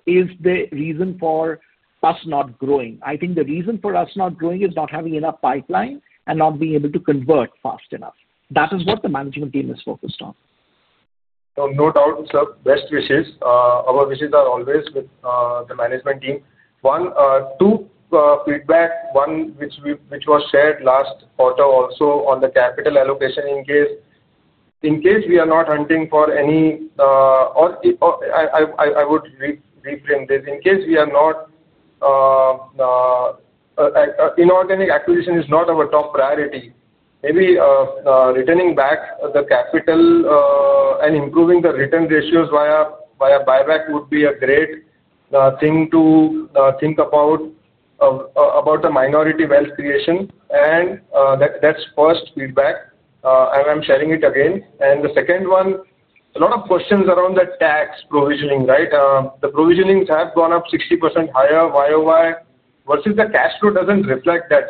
is the reason for us not growing. I think the reason for us not growing is not having enough pipeline and not being able to convert fast enough. That is what the management team is focused on. No doubt, sir. Best wishes. Our wishes are always with the management team. One, two feedback, one which was shared last quarter also on the capital allocation in case. We are not hunting for any, or, I would reframe this. In case we are not, inorganic acquisition is not our top priority. Maybe returning back the capital and improving the return ratios via buyback would be a great thing to think about. About the minority wealth creation. That's first feedback. I'm sharing it again. The second one, a lot of questions around the tax provisioning, right? The provisionings have gone up 60% higher YoY versus the cash flow doesn't reflect that.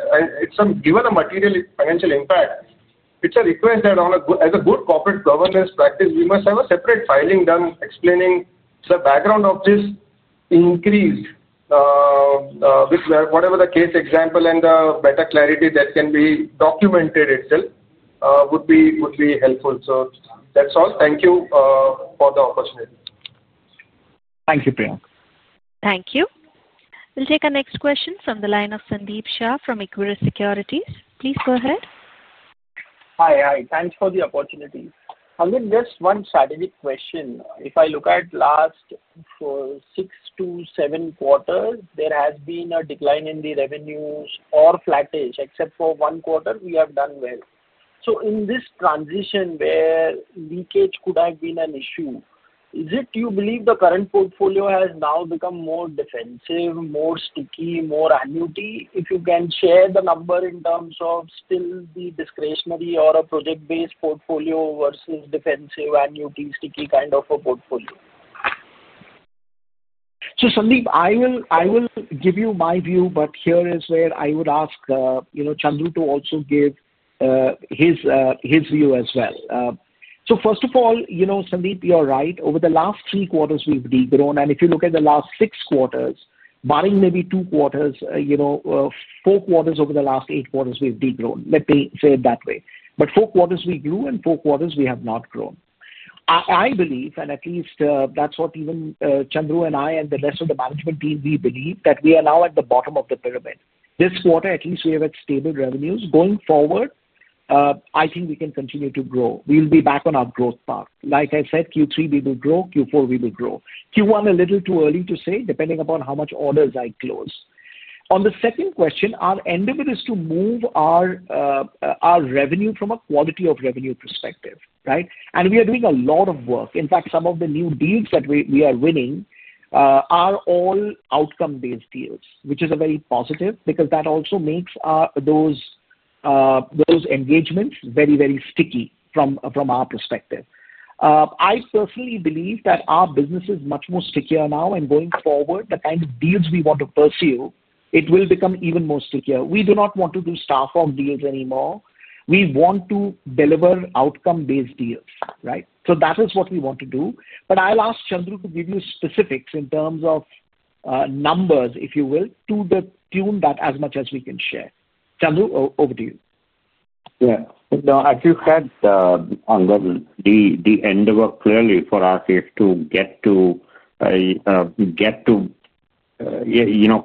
Given a material financial impact, it's a request that as a good corporate governance practice, we must have a separate filing done explaining the background of this increase. With whatever the case example and the better clarity that can be documented itself would be helpful. That's all. Thank you for the opportunity. Thank you, Priyank. Thank you. We'll take a next question from the line of Sandeep Shah from Equirus Securities. Please go ahead. Hi. Thanks for the opportunity. I'll make just one strategic question. If I look at last, for six to seven quarters, there has been a decline in the revenues or flattish, except for one quarter, we have done well. In this transition where leakage could have been an issue, is it you believe the current portfolio has now become more defensive, more sticky, more annuity? If you can share the number in terms of still the discretionary or a project-based portfolio versus defensive, annuity, sticky kind of a portfolio. Sandeep, I will give you my view, but here is where I would ask Chandru to also give his view as well. First of all, Sandeep, you're right. Over the last three quarters, we've regrown. If you look at the last six quarters, barring maybe two quarters, four quarters over the last eight quarters, we've regrown. Let me say it that way. Four quarters we grew and four quarters we have not grown. I believe, and at least that's what even Chandru and I and the rest of the management team, we believe that we are now at the bottom of the pyramid. This quarter, at least we have stable revenues. Going forward, I think we can continue to grow. We'll be back on our growth path. Like I said, Q3 we will grow, Q4 we will grow. Q1 a little too early to say, depending upon how much orders I close. On the second question, our endeavor is to move our revenue from a quality of revenue perspective, right? And we are doing a lot of work. In fact, some of the new deals that we are winning are all outcome-based deals, which is very positive because that also makes those engagements very, very sticky from our perspective. I personally believe that our business is much more secure now. Going forward, the kind of deals we want to pursue, it will become even more secure. We do not want to do staff-on-deals anymore. We want to deliver outcome-based deals, right? That is what we want to do. I'll ask Chandru to give you specifics in terms of numbers, if you will, to the tune that as much as we can share. Chandru, over to you. Yeah. No, I feel that. The endeavor clearly for us is to get to.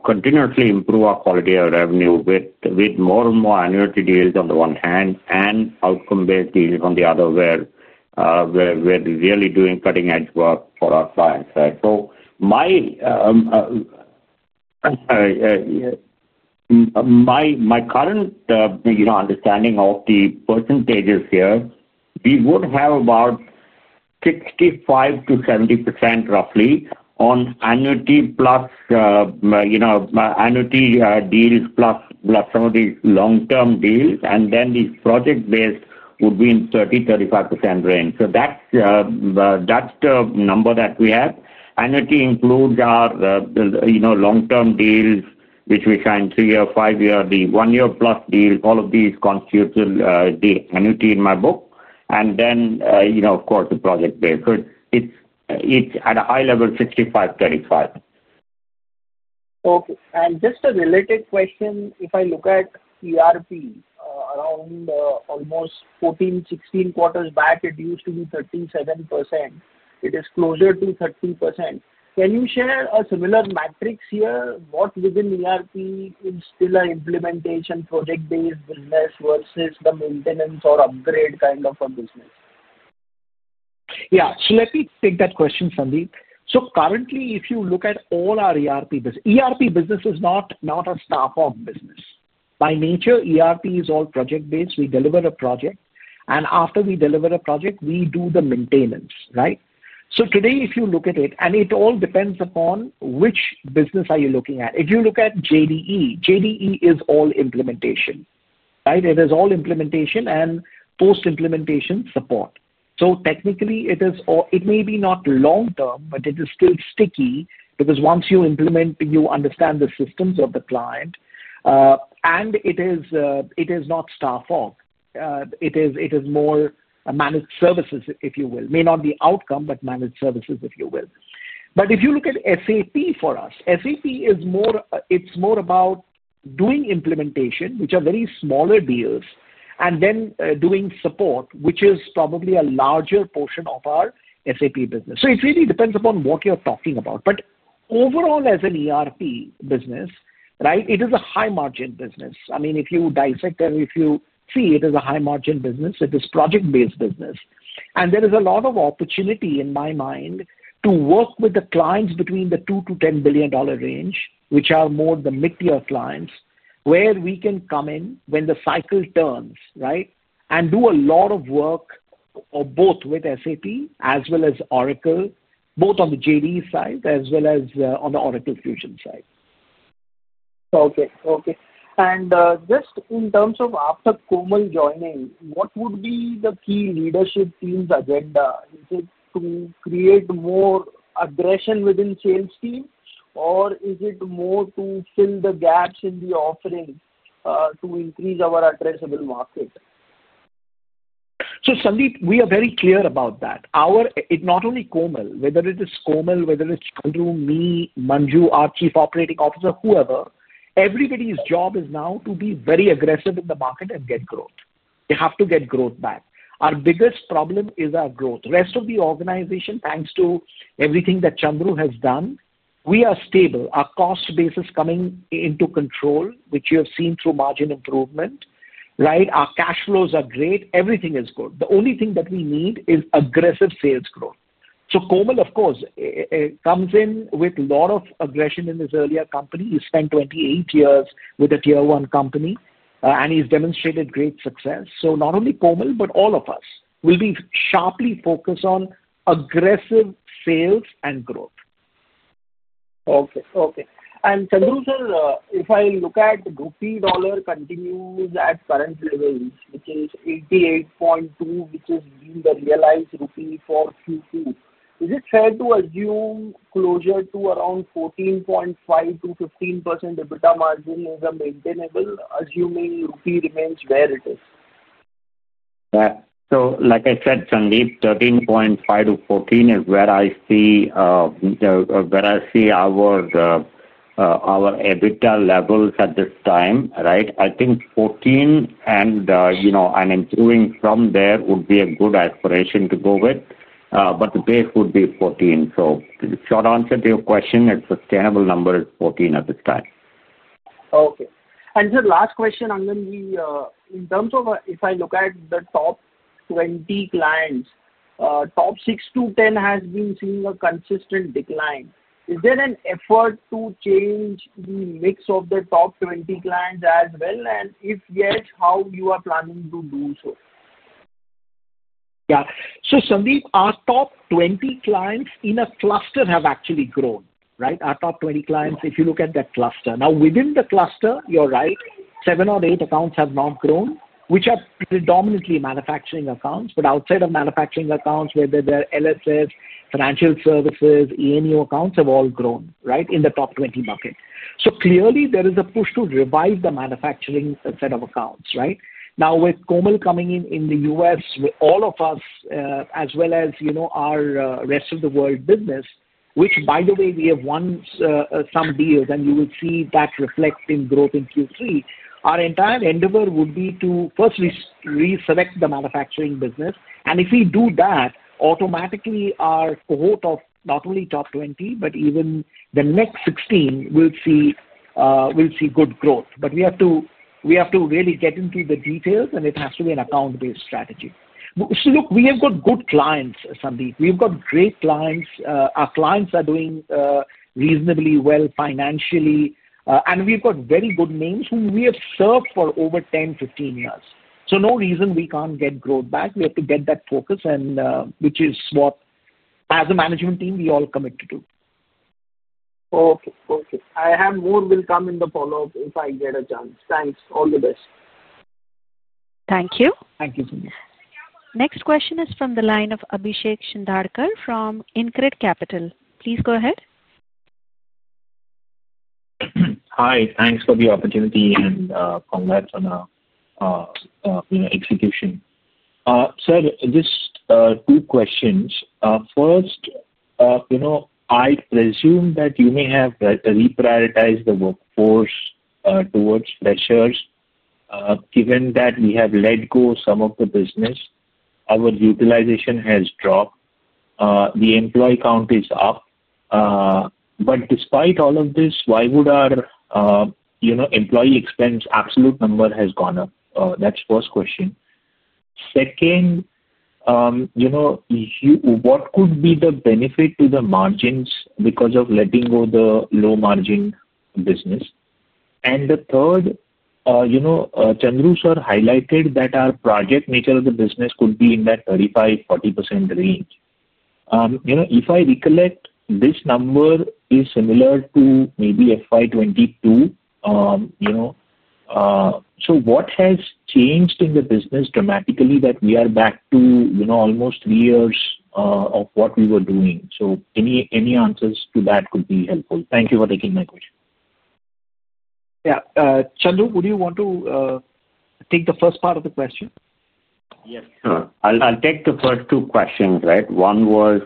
Continuously improve our quality of revenue with more and more annuity deals on the one hand and outcome-based deals on the other where. We're really doing cutting-edge work for our clients, right? So. My current. Understanding of the percentages here, we would have about. 65-70% roughly on annuity plus. Annuity deals plus some of the long-term deals. And then the project-based would be in 30%-35% range. So that's. The number that we have. Annuity includes our. Long-term deals, which we sign three or five-year, the one-year-plus deal. All of these constitute the annuity in my book. And then, of course, the project-based. So it's at a high level, 65/35. Okay. Just a related question. If I look at ERP, around almost 14-16 quarters back, it used to be 37%. It is closer to 30%. Can you share a similar matrix here? What within ERP is still an implementation project-based business versus the maintenance or upgrade kind of a business? Yeah. Let me take that question, Sandeep. Currently, if you look at all our ERP business, ERP business is not a staff-on business. By nature, ERP is all project-based. We deliver a project. After we deliver a project, we do the maintenance, right? Today, if you look at it, and it all depends upon which business you are looking at. If you look at JDE, JDE is all implementation, right? It is all implementation and post-implementation support. Technically, it may not be long-term, but it is still sticky because once you implement, you understand the systems of the client. It is not staff-on. It is more managed services, if you will. May not be outcome, but managed services, if you will. If you look at SAP for us, SAP is. More about doing implementation, which are very smaller deals, and then doing support, which is probably a larger portion of our SAP business. It really depends upon what you're talking about. Overall, as an ERP business, it is a high-margin business. I mean, if you dissect and if you see, it is a high-margin business. It is project-based business. There is a lot of opportunity in my mind to work with the clients between the $2 billion-$10 billion range, which are more the mid-tier clients, where we can come in when the cycle turns, right, and do a lot of work. Both with SAP as well as Oracle, both on the JDE side as well as on the Oracle Fusion side. Okay. Okay. And just in terms of after Komal joining, what would be the key leadership team's agenda? Is it to create more aggression within the sales team, or is it more to fill the gaps in the offering to increase our addressable market? Sandeep, we are very clear about that. It's not only Komal. Whether it is Komal, whether it's Chandru, me, Manju, our Chief Operating Officer, whoever, everybody's job is now to be very aggressive in the market and get growth. You have to get growth back. Our biggest problem is our growth. The rest of the organization, thanks to everything that Chandru has done, we are stable. Our cost base is coming into control, which you have seen through margin improvement, right? Our cash flows are great. Everything is good. The only thing that we need is aggressive sales growth. Komal, of course, comes in with a lot of aggression in his earlier company. He spent 28 years with a tier-one company, and he's demonstrated great success. Not only Komal, but all of us will be sharply focused on aggressive sales and growth. Okay. Okay. Chandru, sir, if I look at the rupee dollar continues at current levels, which is 88.2, which has been the realized rupee for Q2, is it fair to assume closure to around 14.5-15% EBITDA margin is a maintainable, assuming rupee remains where it is? Yeah. Like I said, Sandeep, 13.5%-14% is where I see our EBITDA levels at this time, right? I think 14% and improving from there would be a good aspiration to go with. The base would be 14%. Short answer to your question, a sustainable number is 14% at this time. Okay. And sir, last question, in terms of if I look at the top 20 clients, top 6 to 10 has been seeing a consistent decline. Is there an effort to change the mix of the top 20 clients as well? If yes, how are you planning to do so? Yeah. Sandeep, our top 20 clients in a cluster have actually grown, right? Our top 20 clients, if you look at that cluster. Now, within the cluster, you're right, seven or eight accounts have not grown, which are predominantly manufacturing accounts. Outside of manufacturing accounts, whether they're LSS, financial services, E&U accounts have all grown, right, in the top 20 market. Clearly, there is a push to revive the manufacturing set of accounts, right? Now, with Komal coming in in the U.S., all of us, as well as our rest of the world business, which, by the way, we have won some deals, and you will see that reflect in growth in Q3, our entire endeavor would be to first reselect the manufacturing business. If we do that, automatically, our cohort of not only top 20, but even the next 16 will see good growth. We have to really get into the details, and it has to be an account-based strategy. Look, we have got good clients, Sandeep. We have got great clients. Our clients are doing reasonably well financially. We have got very good names whom we have served for over 10, 15 years. There is no reason we cannot get growth back. We have to get that focus, which is what, as a management team, we all commit to do. Okay. Okay. I have more, will come in the follow-up if I get a chance. Thanks. All the best. Thank you. Thank you, Sandeep. Next question is from the line of Abhishek Shindadkar from InCred Capital. Please go ahead. Hi. Thanks for the opportunity and congrats on the execution. Sir, just two questions. First, I presume that you may have reprioritized the workforce towards freshers. Given that we have let go of some of the business, our utilization has dropped. The employee count is up. But despite all of this, why would our employee expense absolute number have gone up? That's the first question. Second, what could be the benefit to the margins because of letting go of the low-margin business? And the third, Chandru, sir highlighted that our project nature of the business could be in that 35%-40% range. If I recollect, this number is similar to maybe FY 2022. What has changed in the business dramatically that we are back to almost three years of what we were doing? Any answers to that could be helpful. Thank you for taking my question. Yeah. Chandru, would you want to take the first part of the question? Yes, sure. I'll take the first two questions, right? One was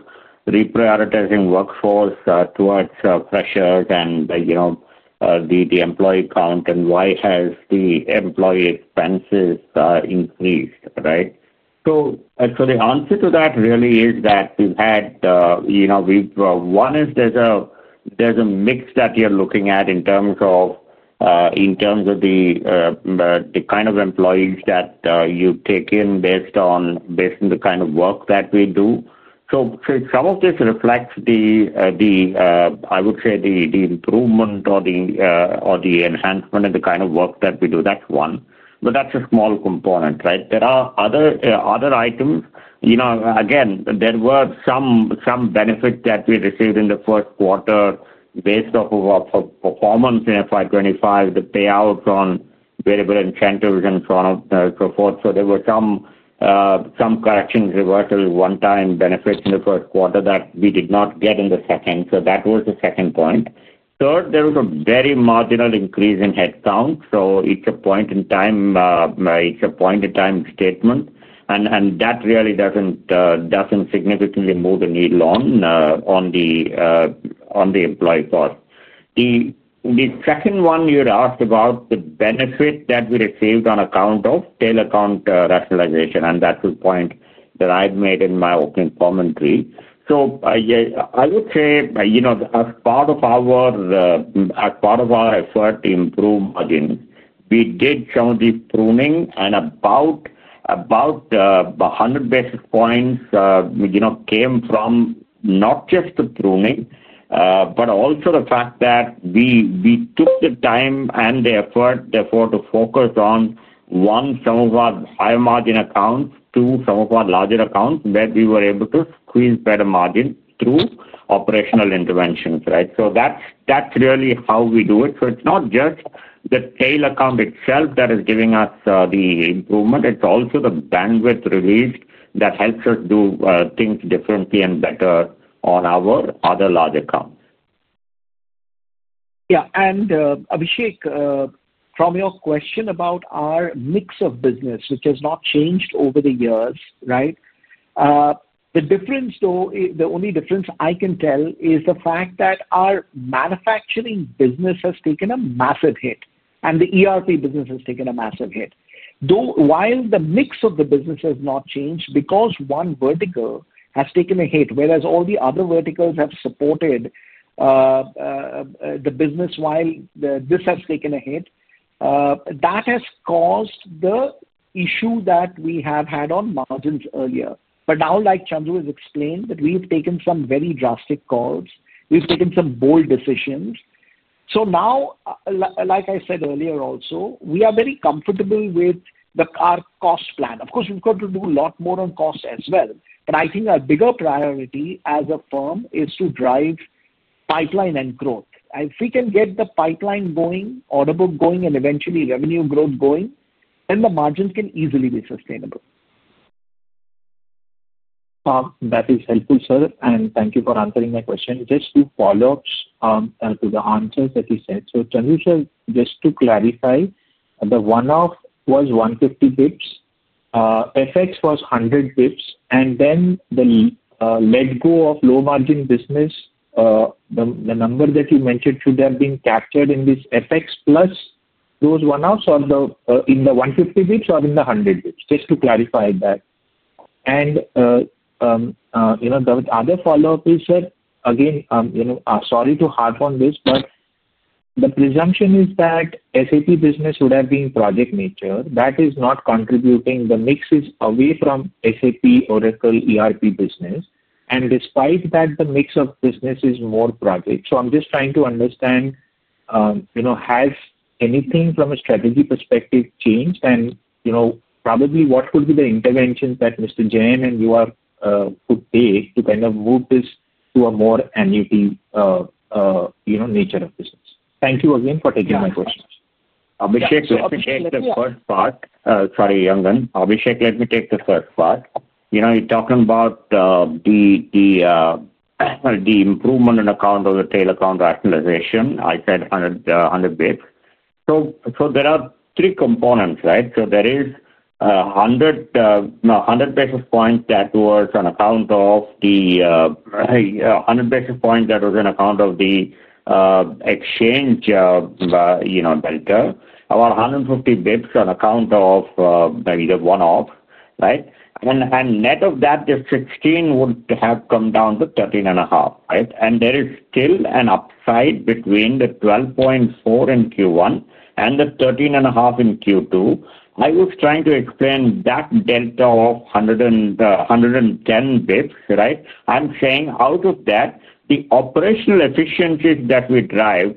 reprioritizing workforce towards pressures and the employee count, and why has the employee expenses increased, right? The answer to that really is that we've had, one is there's a mix that you're looking at in terms of the kind of employees that you take in based on the kind of work that we do. Some of this reflects the, I would say, the improvement or the enhancement of the kind of work that we do. That's one. That's a small component, right? There are other items. Again, there were some benefits that we received in the first quarter based off of performance in FY 2025, the payouts on variable incentives and so on and so forth. There were some corrections, reversals, one-time benefits in the first quarter that we did not get in the second. That was the second point. Third, there was a very marginal increase in headcount. It's a point-in-time statement. That really doesn't significantly move the needle on the employee cost. The second one you'd asked about the benefit that we received on account of tail account rationalization. That's the point that I've made in my opening commentary. I would say as part of our effort to improve margins, we did some of the pruning. About 100 basis points came from not just the pruning, but also the fact that we took the time and the effort to focus on, one, some of our high-margin accounts, two, some of our larger accounts that we were able to squeeze better margins through operational interventions, right? That's really how we do it. It's not just the tail account itself that is giving us the improvement. It's also the bandwidth released that helps us do things differently and better on our other large accounts. Yeah. Abhishek, from your question about our mix of business, which has not changed over the years, right? The difference, though, the only difference I can tell is the fact that our manufacturing business has taken a massive hit. The ERP business has taken a massive hit. While the mix of the business has not changed because one vertical has taken a hit, all the other verticals have supported. The business, while this has taken a hit, that has caused the issue that we have had on margins earlier. Now, like Chandru has explained, we have taken some very drastic calls. We have taken some bold decisions. Now, like I said earlier also, we are very comfortable with our cost plan. Of course, we have got to do a lot more on cost as well. I think our bigger priority as a firm is to drive pipeline and growth. If we can get the pipeline going, audible going, and eventually revenue growth going, then the margins can easily be sustainable. That is helpful, sir. Thank you for answering my question. Just two follow-ups to the answers that you said. Chandru, sir, just to clarify, the one-off was 150 bps. FX was 100 bps. The let-go of low-margin business, the number that you mentioned, should that have been captured in this FX plus those one-offs, or in the 150 bps, or in the 100 bps? Just to clarify that. The other follow-up is, sir, again, sorry to harp on this, but the presumption is that SAP business would have been project nature. That is not contributing. The mix is away from SAP, Oracle, ERP business. Despite that, the mix of business is more project. I am just trying to understand. Has anything from a strategy perspective changed? Probably what would be the interventions that Mr. Jain, and you could take to kind of move this to a more annuity nature of business? Thank you again for taking my question. Abhishek, let me take the first part. Sorry, Angan. Abhishek, let me take the first part. You're talking about the improvement on account of the tail account rationalization. I said 100 bps. There are three components, right? There is 100 basis points that were on account of the 100 basis points that was on account of the exchange delta, about 150 bps on account of the one-off, right? Net of that, the 16% would have come down to 13.5%, right? There is still an upside between the 12.4% in Q1 and the 13.5% in Q2. I was trying to explain that delta of 110 bps, right? I'm saying out of that, the operational efficiencies that we drive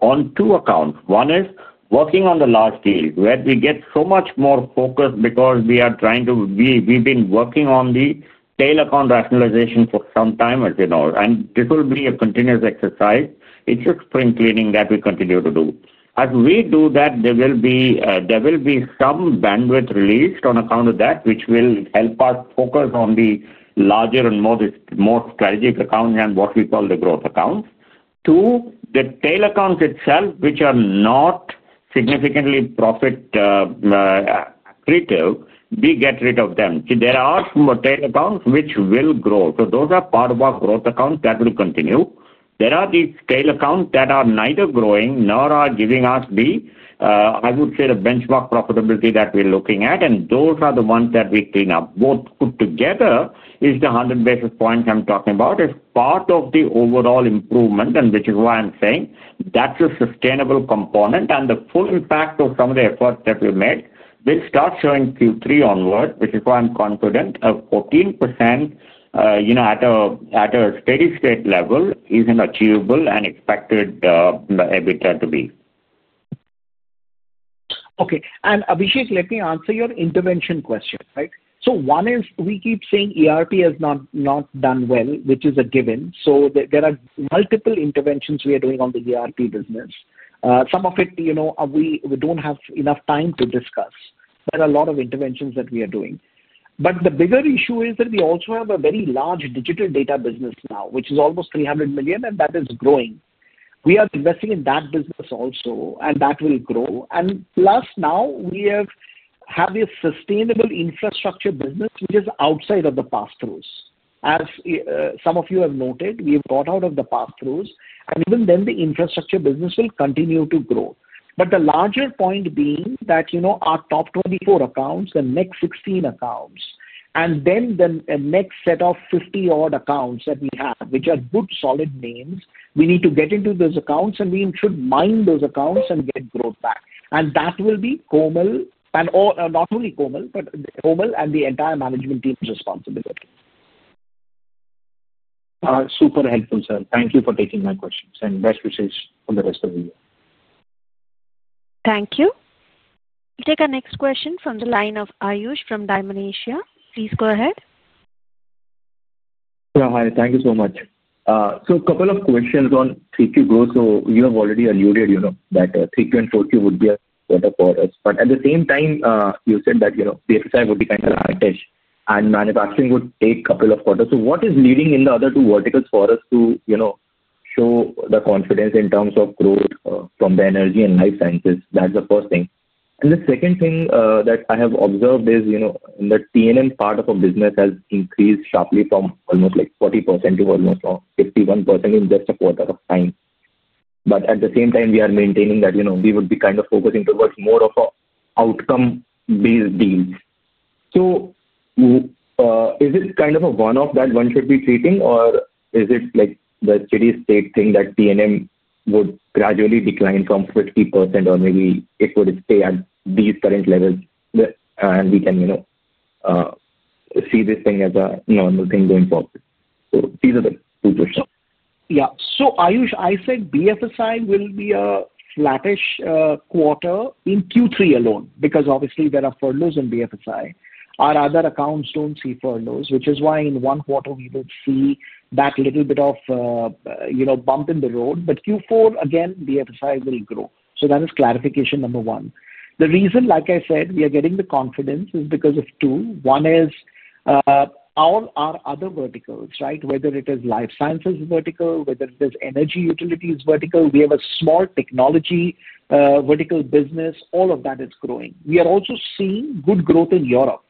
on two accounts. One is working on the large deals, where we get so much more focus because we are trying to—we've been working on the tail account rationalization for some time, as you know. This will be a continuous exercise. It's just spring cleaning that we continue to do. As we do that, there will be some bandwidth released on account of that, which will help us focus on the larger and more strategic accounts and what we call the growth accounts. Two, the tail accounts itself, which are not significantly profit creative, we get rid of them. There are some tail accounts which will grow. Those are part of our growth accounts that will continue. There are these tail accounts that are neither growing nor are giving us the, I would say, the benchmark profitability that we're looking at. Those are the ones that we clean up. Both put together, it's the 100 basis points I'm talking about. It's part of the overall improvement, which is why I'm saying that's a sustainable component. The full impact of some of the efforts that we've made will start showing Q3 onward, which is why I'm confident a 14% at a steady-state level is an achievable and expected EBITDA to be. Okay. Abhishek, let me answer your intervention question, right? One is we keep saying ERP has not done well, which is a given. There are multiple interventions we are doing on the ERP business. Some of it, we do not have enough time to discuss. There are a lot of interventions that we are doing. The bigger issue is that we also have a very large digital data business now, which is almost $300 million, and that is growing. We are investing in that business also, and that will grow. Plus now, we have a sustainable infrastructure business, which is outside of the pass-throughs. As some of you have noted, we have got out of the pass-throughs. Even then, the infrastructure business will continue to grow. The larger point being that our top 24 accounts, the next 16 accounts, and then the next set of 50-odd accounts that we have, which are good solid names, we need to get into those accounts, and we should mine those accounts and get growth back. That will be Komal and not only Komal, but Komal and the entire management team's responsibility. Super helpful, sir. Thank you for taking my questions. Best wishes for the rest of the year. Thank you. We'll take our next question from the line of Aayush from Dymon Asia. Please go ahead. Hi. Thank you so much. A couple of questions on 3Q growth. You have already alluded that 3Q and 4Q would be better for us. At the same time, you said that the exercise would be kind of hectic, and manufacturing would take a couple of quarters. What is leading in the other two verticals for us to show the confidence in terms of growth from the energy and life sciences? That is the first thing. The second thing that I have observed is the T&M part of our business has increased sharply from almost 40% to almost 51% in just a quarter of time. At the same time, we are maintaining that we would be kind of focusing towards more of an outcome-based deal. Is it kind of a one-off that one should be treating, or is it the steady-state thing that T&M would gradually decline from 50%, or maybe it would stay at these current levels, and we can see this thing as a normal thing going forward? These are the two questions. Yeah. Aayush, I said BFSI will be a flattish quarter in Q3 alone because obviously, there are furloughs in BFSI. Our other accounts do not see furloughs, which is why in one quarter, we will see that little bit of a bump in the road. Q4, again, BFSI will grow. That is clarification number one. The reason, like I said, we are getting the confidence is because of two. One is our other verticals, right? Whether it is life sciences vertical, whether it is energy utilities vertical, we have a small technology vertical business. All of that is growing. We are also seeing good growth in Europe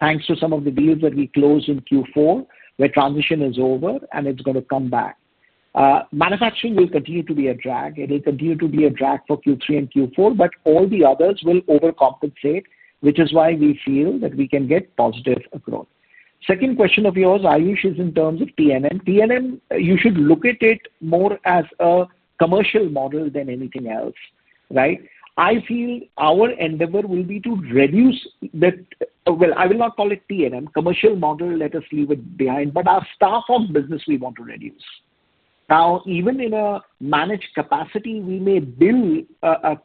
thanks to some of the deals that we closed in Q4, where transition is over, and it is going to come back. Manufacturing will continue to be a drag. It will continue to be a drag for Q3 and Q4, but all the others will overcompensate, which is why we feel that we can get positive growth. Second question of yours, Aayush, is in terms of T&M. T&M, you should look at it more as a commercial model than anything else, right? I feel our endeavor will be to reduce the— I will not call it T&M. Commercial model, let us leave it behind. But our staff of business, we want to reduce. Now, even in a managed capacity, we may build a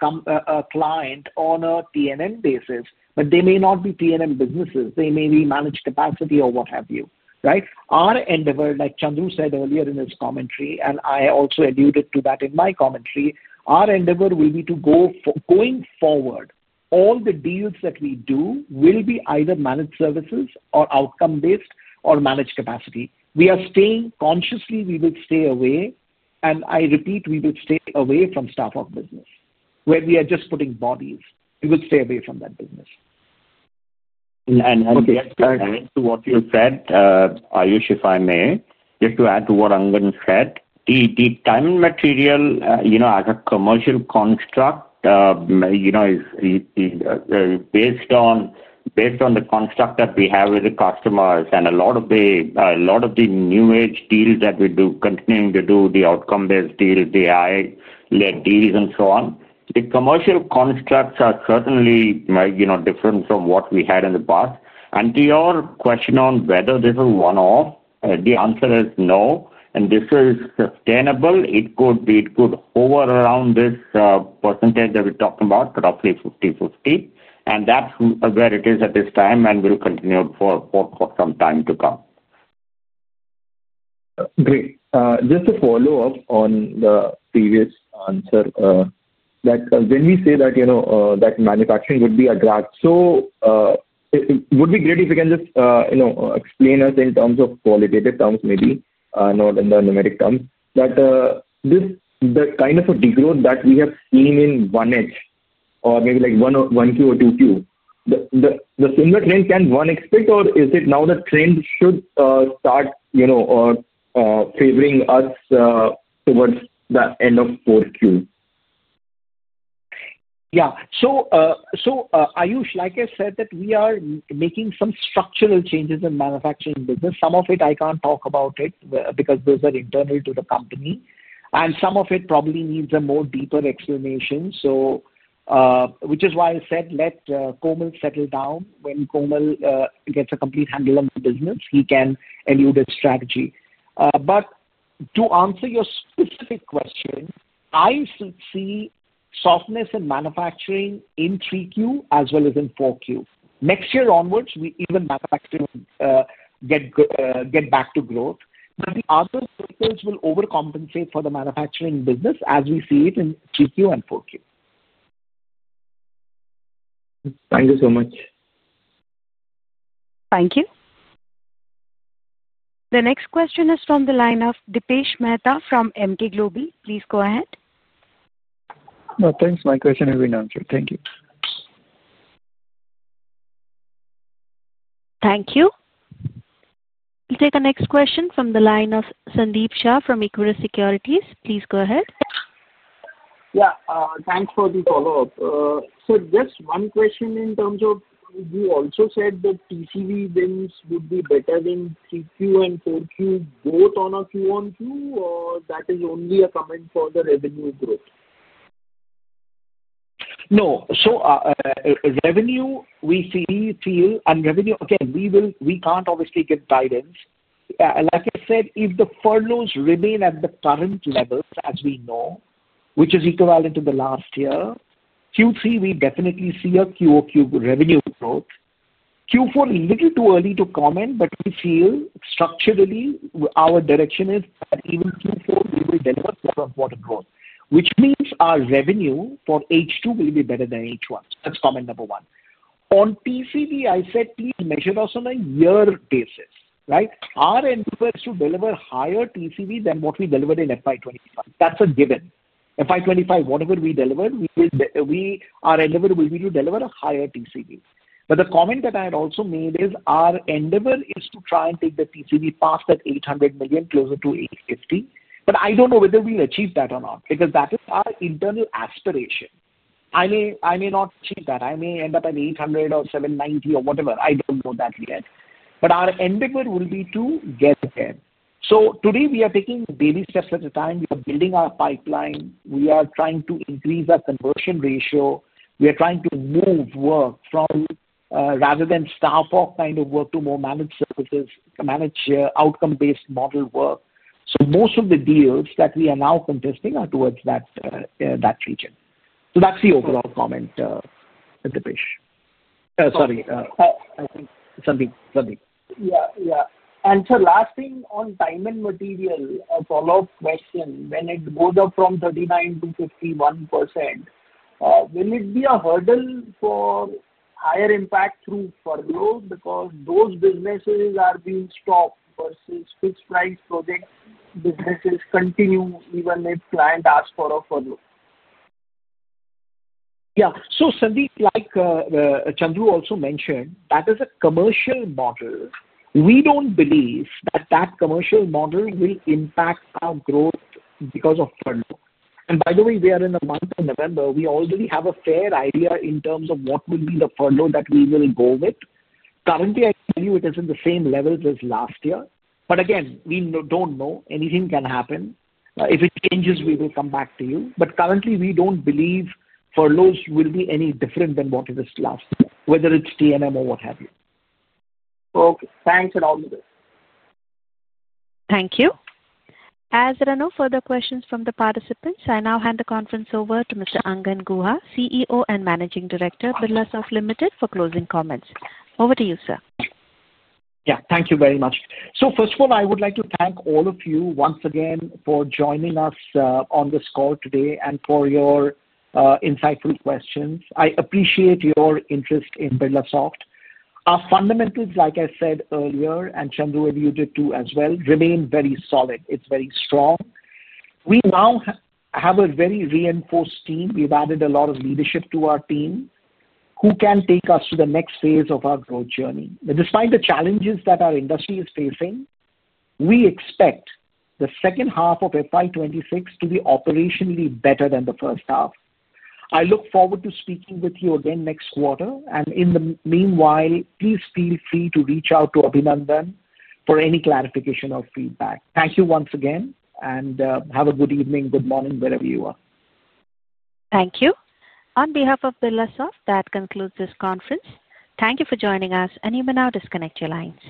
client on a T&M basis, but they may not be T&M businesses. They may be managed capacity or what have you, right? Our endeavor, like Chandru said earlier in his commentary, and I also alluded to that in my commentary, our endeavor will be to, going forward, all the deals that we do will be either managed services or outcome-based or managed capacity. We are staying consciously—we will stay away. I repeat, we will stay away from staff of business where we are just putting bodies. We will stay away from that business. Just to add to what you said, Aayush, if I may, just to add to what Angan said, the time material as a commercial construct. Based on the construct that we have with the customers and a lot of the new-age deals that we do, continuing to do the outcome-based deals, the AI-led deals, and so on, the commercial constructs are certainly different from what we had in the past. To your question on whether this is a one-off, the answer is no. This is sustainable. It could hover around this percentage that we're talking about, roughly 50/50. That is where it is at this time and will continue for some time to come. Great. Just to follow up on the previous answer. When we say that manufacturing would be a drag, so. It would be great if you can just explain us in terms of qualitative terms, maybe, not in the numeric terms, that this kind of a degrowth that we have seen in one edge or maybe 1Q or 2Q. The similar trend can one expect, or is it now the trend should start favoring us towards the end of 4Q? Yeah. So, Aayush, like I said, we are making some structural changes in manufacturing business. Some of it, I can't talk about because those are internal to the company. Some of it probably needs a more deeper explanation, which is why I said let Komal settle down. When Komal gets a complete handle on the business, he can allude his strategy. To answer your specific question, I see softness in manufacturing in 3Q as well as in 4Q. Next year onwards, even manufacturing gets back to growth. The other verticals will overcompensate for the manufacturing business as we see it in 3Q and 4Q. Thank you so much. Thank you. The next question is from the line of Dipesh Mehta from Emkay Global. Please go ahead. Thanks. My question has been answered. Thank you. Thank you. We'll take the next question from the line of Sandeep Shah from Equirus Securities. Please go ahead. Yeah. Thanks for the follow-up. So just one question in terms of you also said that TCV wins would be better in Q3 and Q4 both on a Q-on-Q, or that is only a comment for the revenue growth? No. So. Revenue, we see—and revenue, again, we can't obviously give guidance. Like I said, if the furloughs remain at the current levels as we know, which is equivalent to the last year, Q3, we definitely see a QoQ revenue growth. Q4, a little too early to comment, but we feel structurally, our direction is that even Q4, we will deliver quarter-on-quarter growth, which means our revenue for H2 will be better than H1. That's comment number one. On TCV, I said please measure us on a year basis, right? Our endeavor is to deliver higher TCV than what we delivered in FY 2025. That's a given. FY 2025, whatever we deliver, our endeavor will be to deliver a higher TCV. But the comment that I had also made is our endeavor is to try and take the TCV past that $800 million, closer to $850 million. I don't know whether we'll achieve that or not because that is our internal aspiration. I may not achieve that. I may end up at $800 million or $790 million or whatever. I don't know that yet. Our endeavor will be to get there. Today, we are taking baby steps at a time. We are building our pipeline. We are trying to increase our conversion ratio. We are trying to move work from, rather than staff-off kind of work, to more managed services, managed outcome-based model work. Most of the deals that we are now contesting are towards that region. That's the overall comment. Dipesh, sorry, I think Sandeep. Yeah. Yeah. Last thing on time and material, a follow-up question. When it goes up from 39% to 51%, will it be a hurdle for higher impact through furlough because those businesses are being stopped versus fixed-price project businesses continue even if client asks for a furlough? Yeah. Sandeep, like Chandru also mentioned, that is a commercial model. We do not believe that that commercial model will impact our growth because of furlough. By the way, we are in the month of November. We already have a fair idea in terms of what will be the furlough that we will go with. Currently, I tell you, it is at the same levels as last year. Again, we do not know. Anything can happen. If it changes, we will come back to you. Currently, we do not believe furloughs will be any different than what it is last year, whether it is T&M or what have you. Okay. Thanks for all of this. Thank you. As there are no further questions from the participants, I now hand the conference over to Mr. Angan Guha, CEO and Managing Director, Birlasoft Limited, for closing comments. Over to you, sir. Yeah. Thank you very much. First of all, I would like to thank all of you once again for joining us on this call today and for your insightful questions. I appreciate your interest in Birlasoft. Our fundamentals, like I said earlier, and Chandru, you did too as well, remain very solid. It is very strong. We now have a very reinforced team. We have added a lot of leadership to our team who can take us to the next phase of our growth journey. Despite the challenges that our industry is facing, we expect the second half of FY 2026 to be operationally better than the first half. I look forward to speaking with you again next quarter. In the meanwhile, please feel free to reach out to Abhinandan for any clarification or feedback. Thank you once again, and have a good evening, good morning, wherever you are. Thank you. On behalf of Birlasoft, that concludes this conference. Thank you for joining us, and you may now disconnect your lines.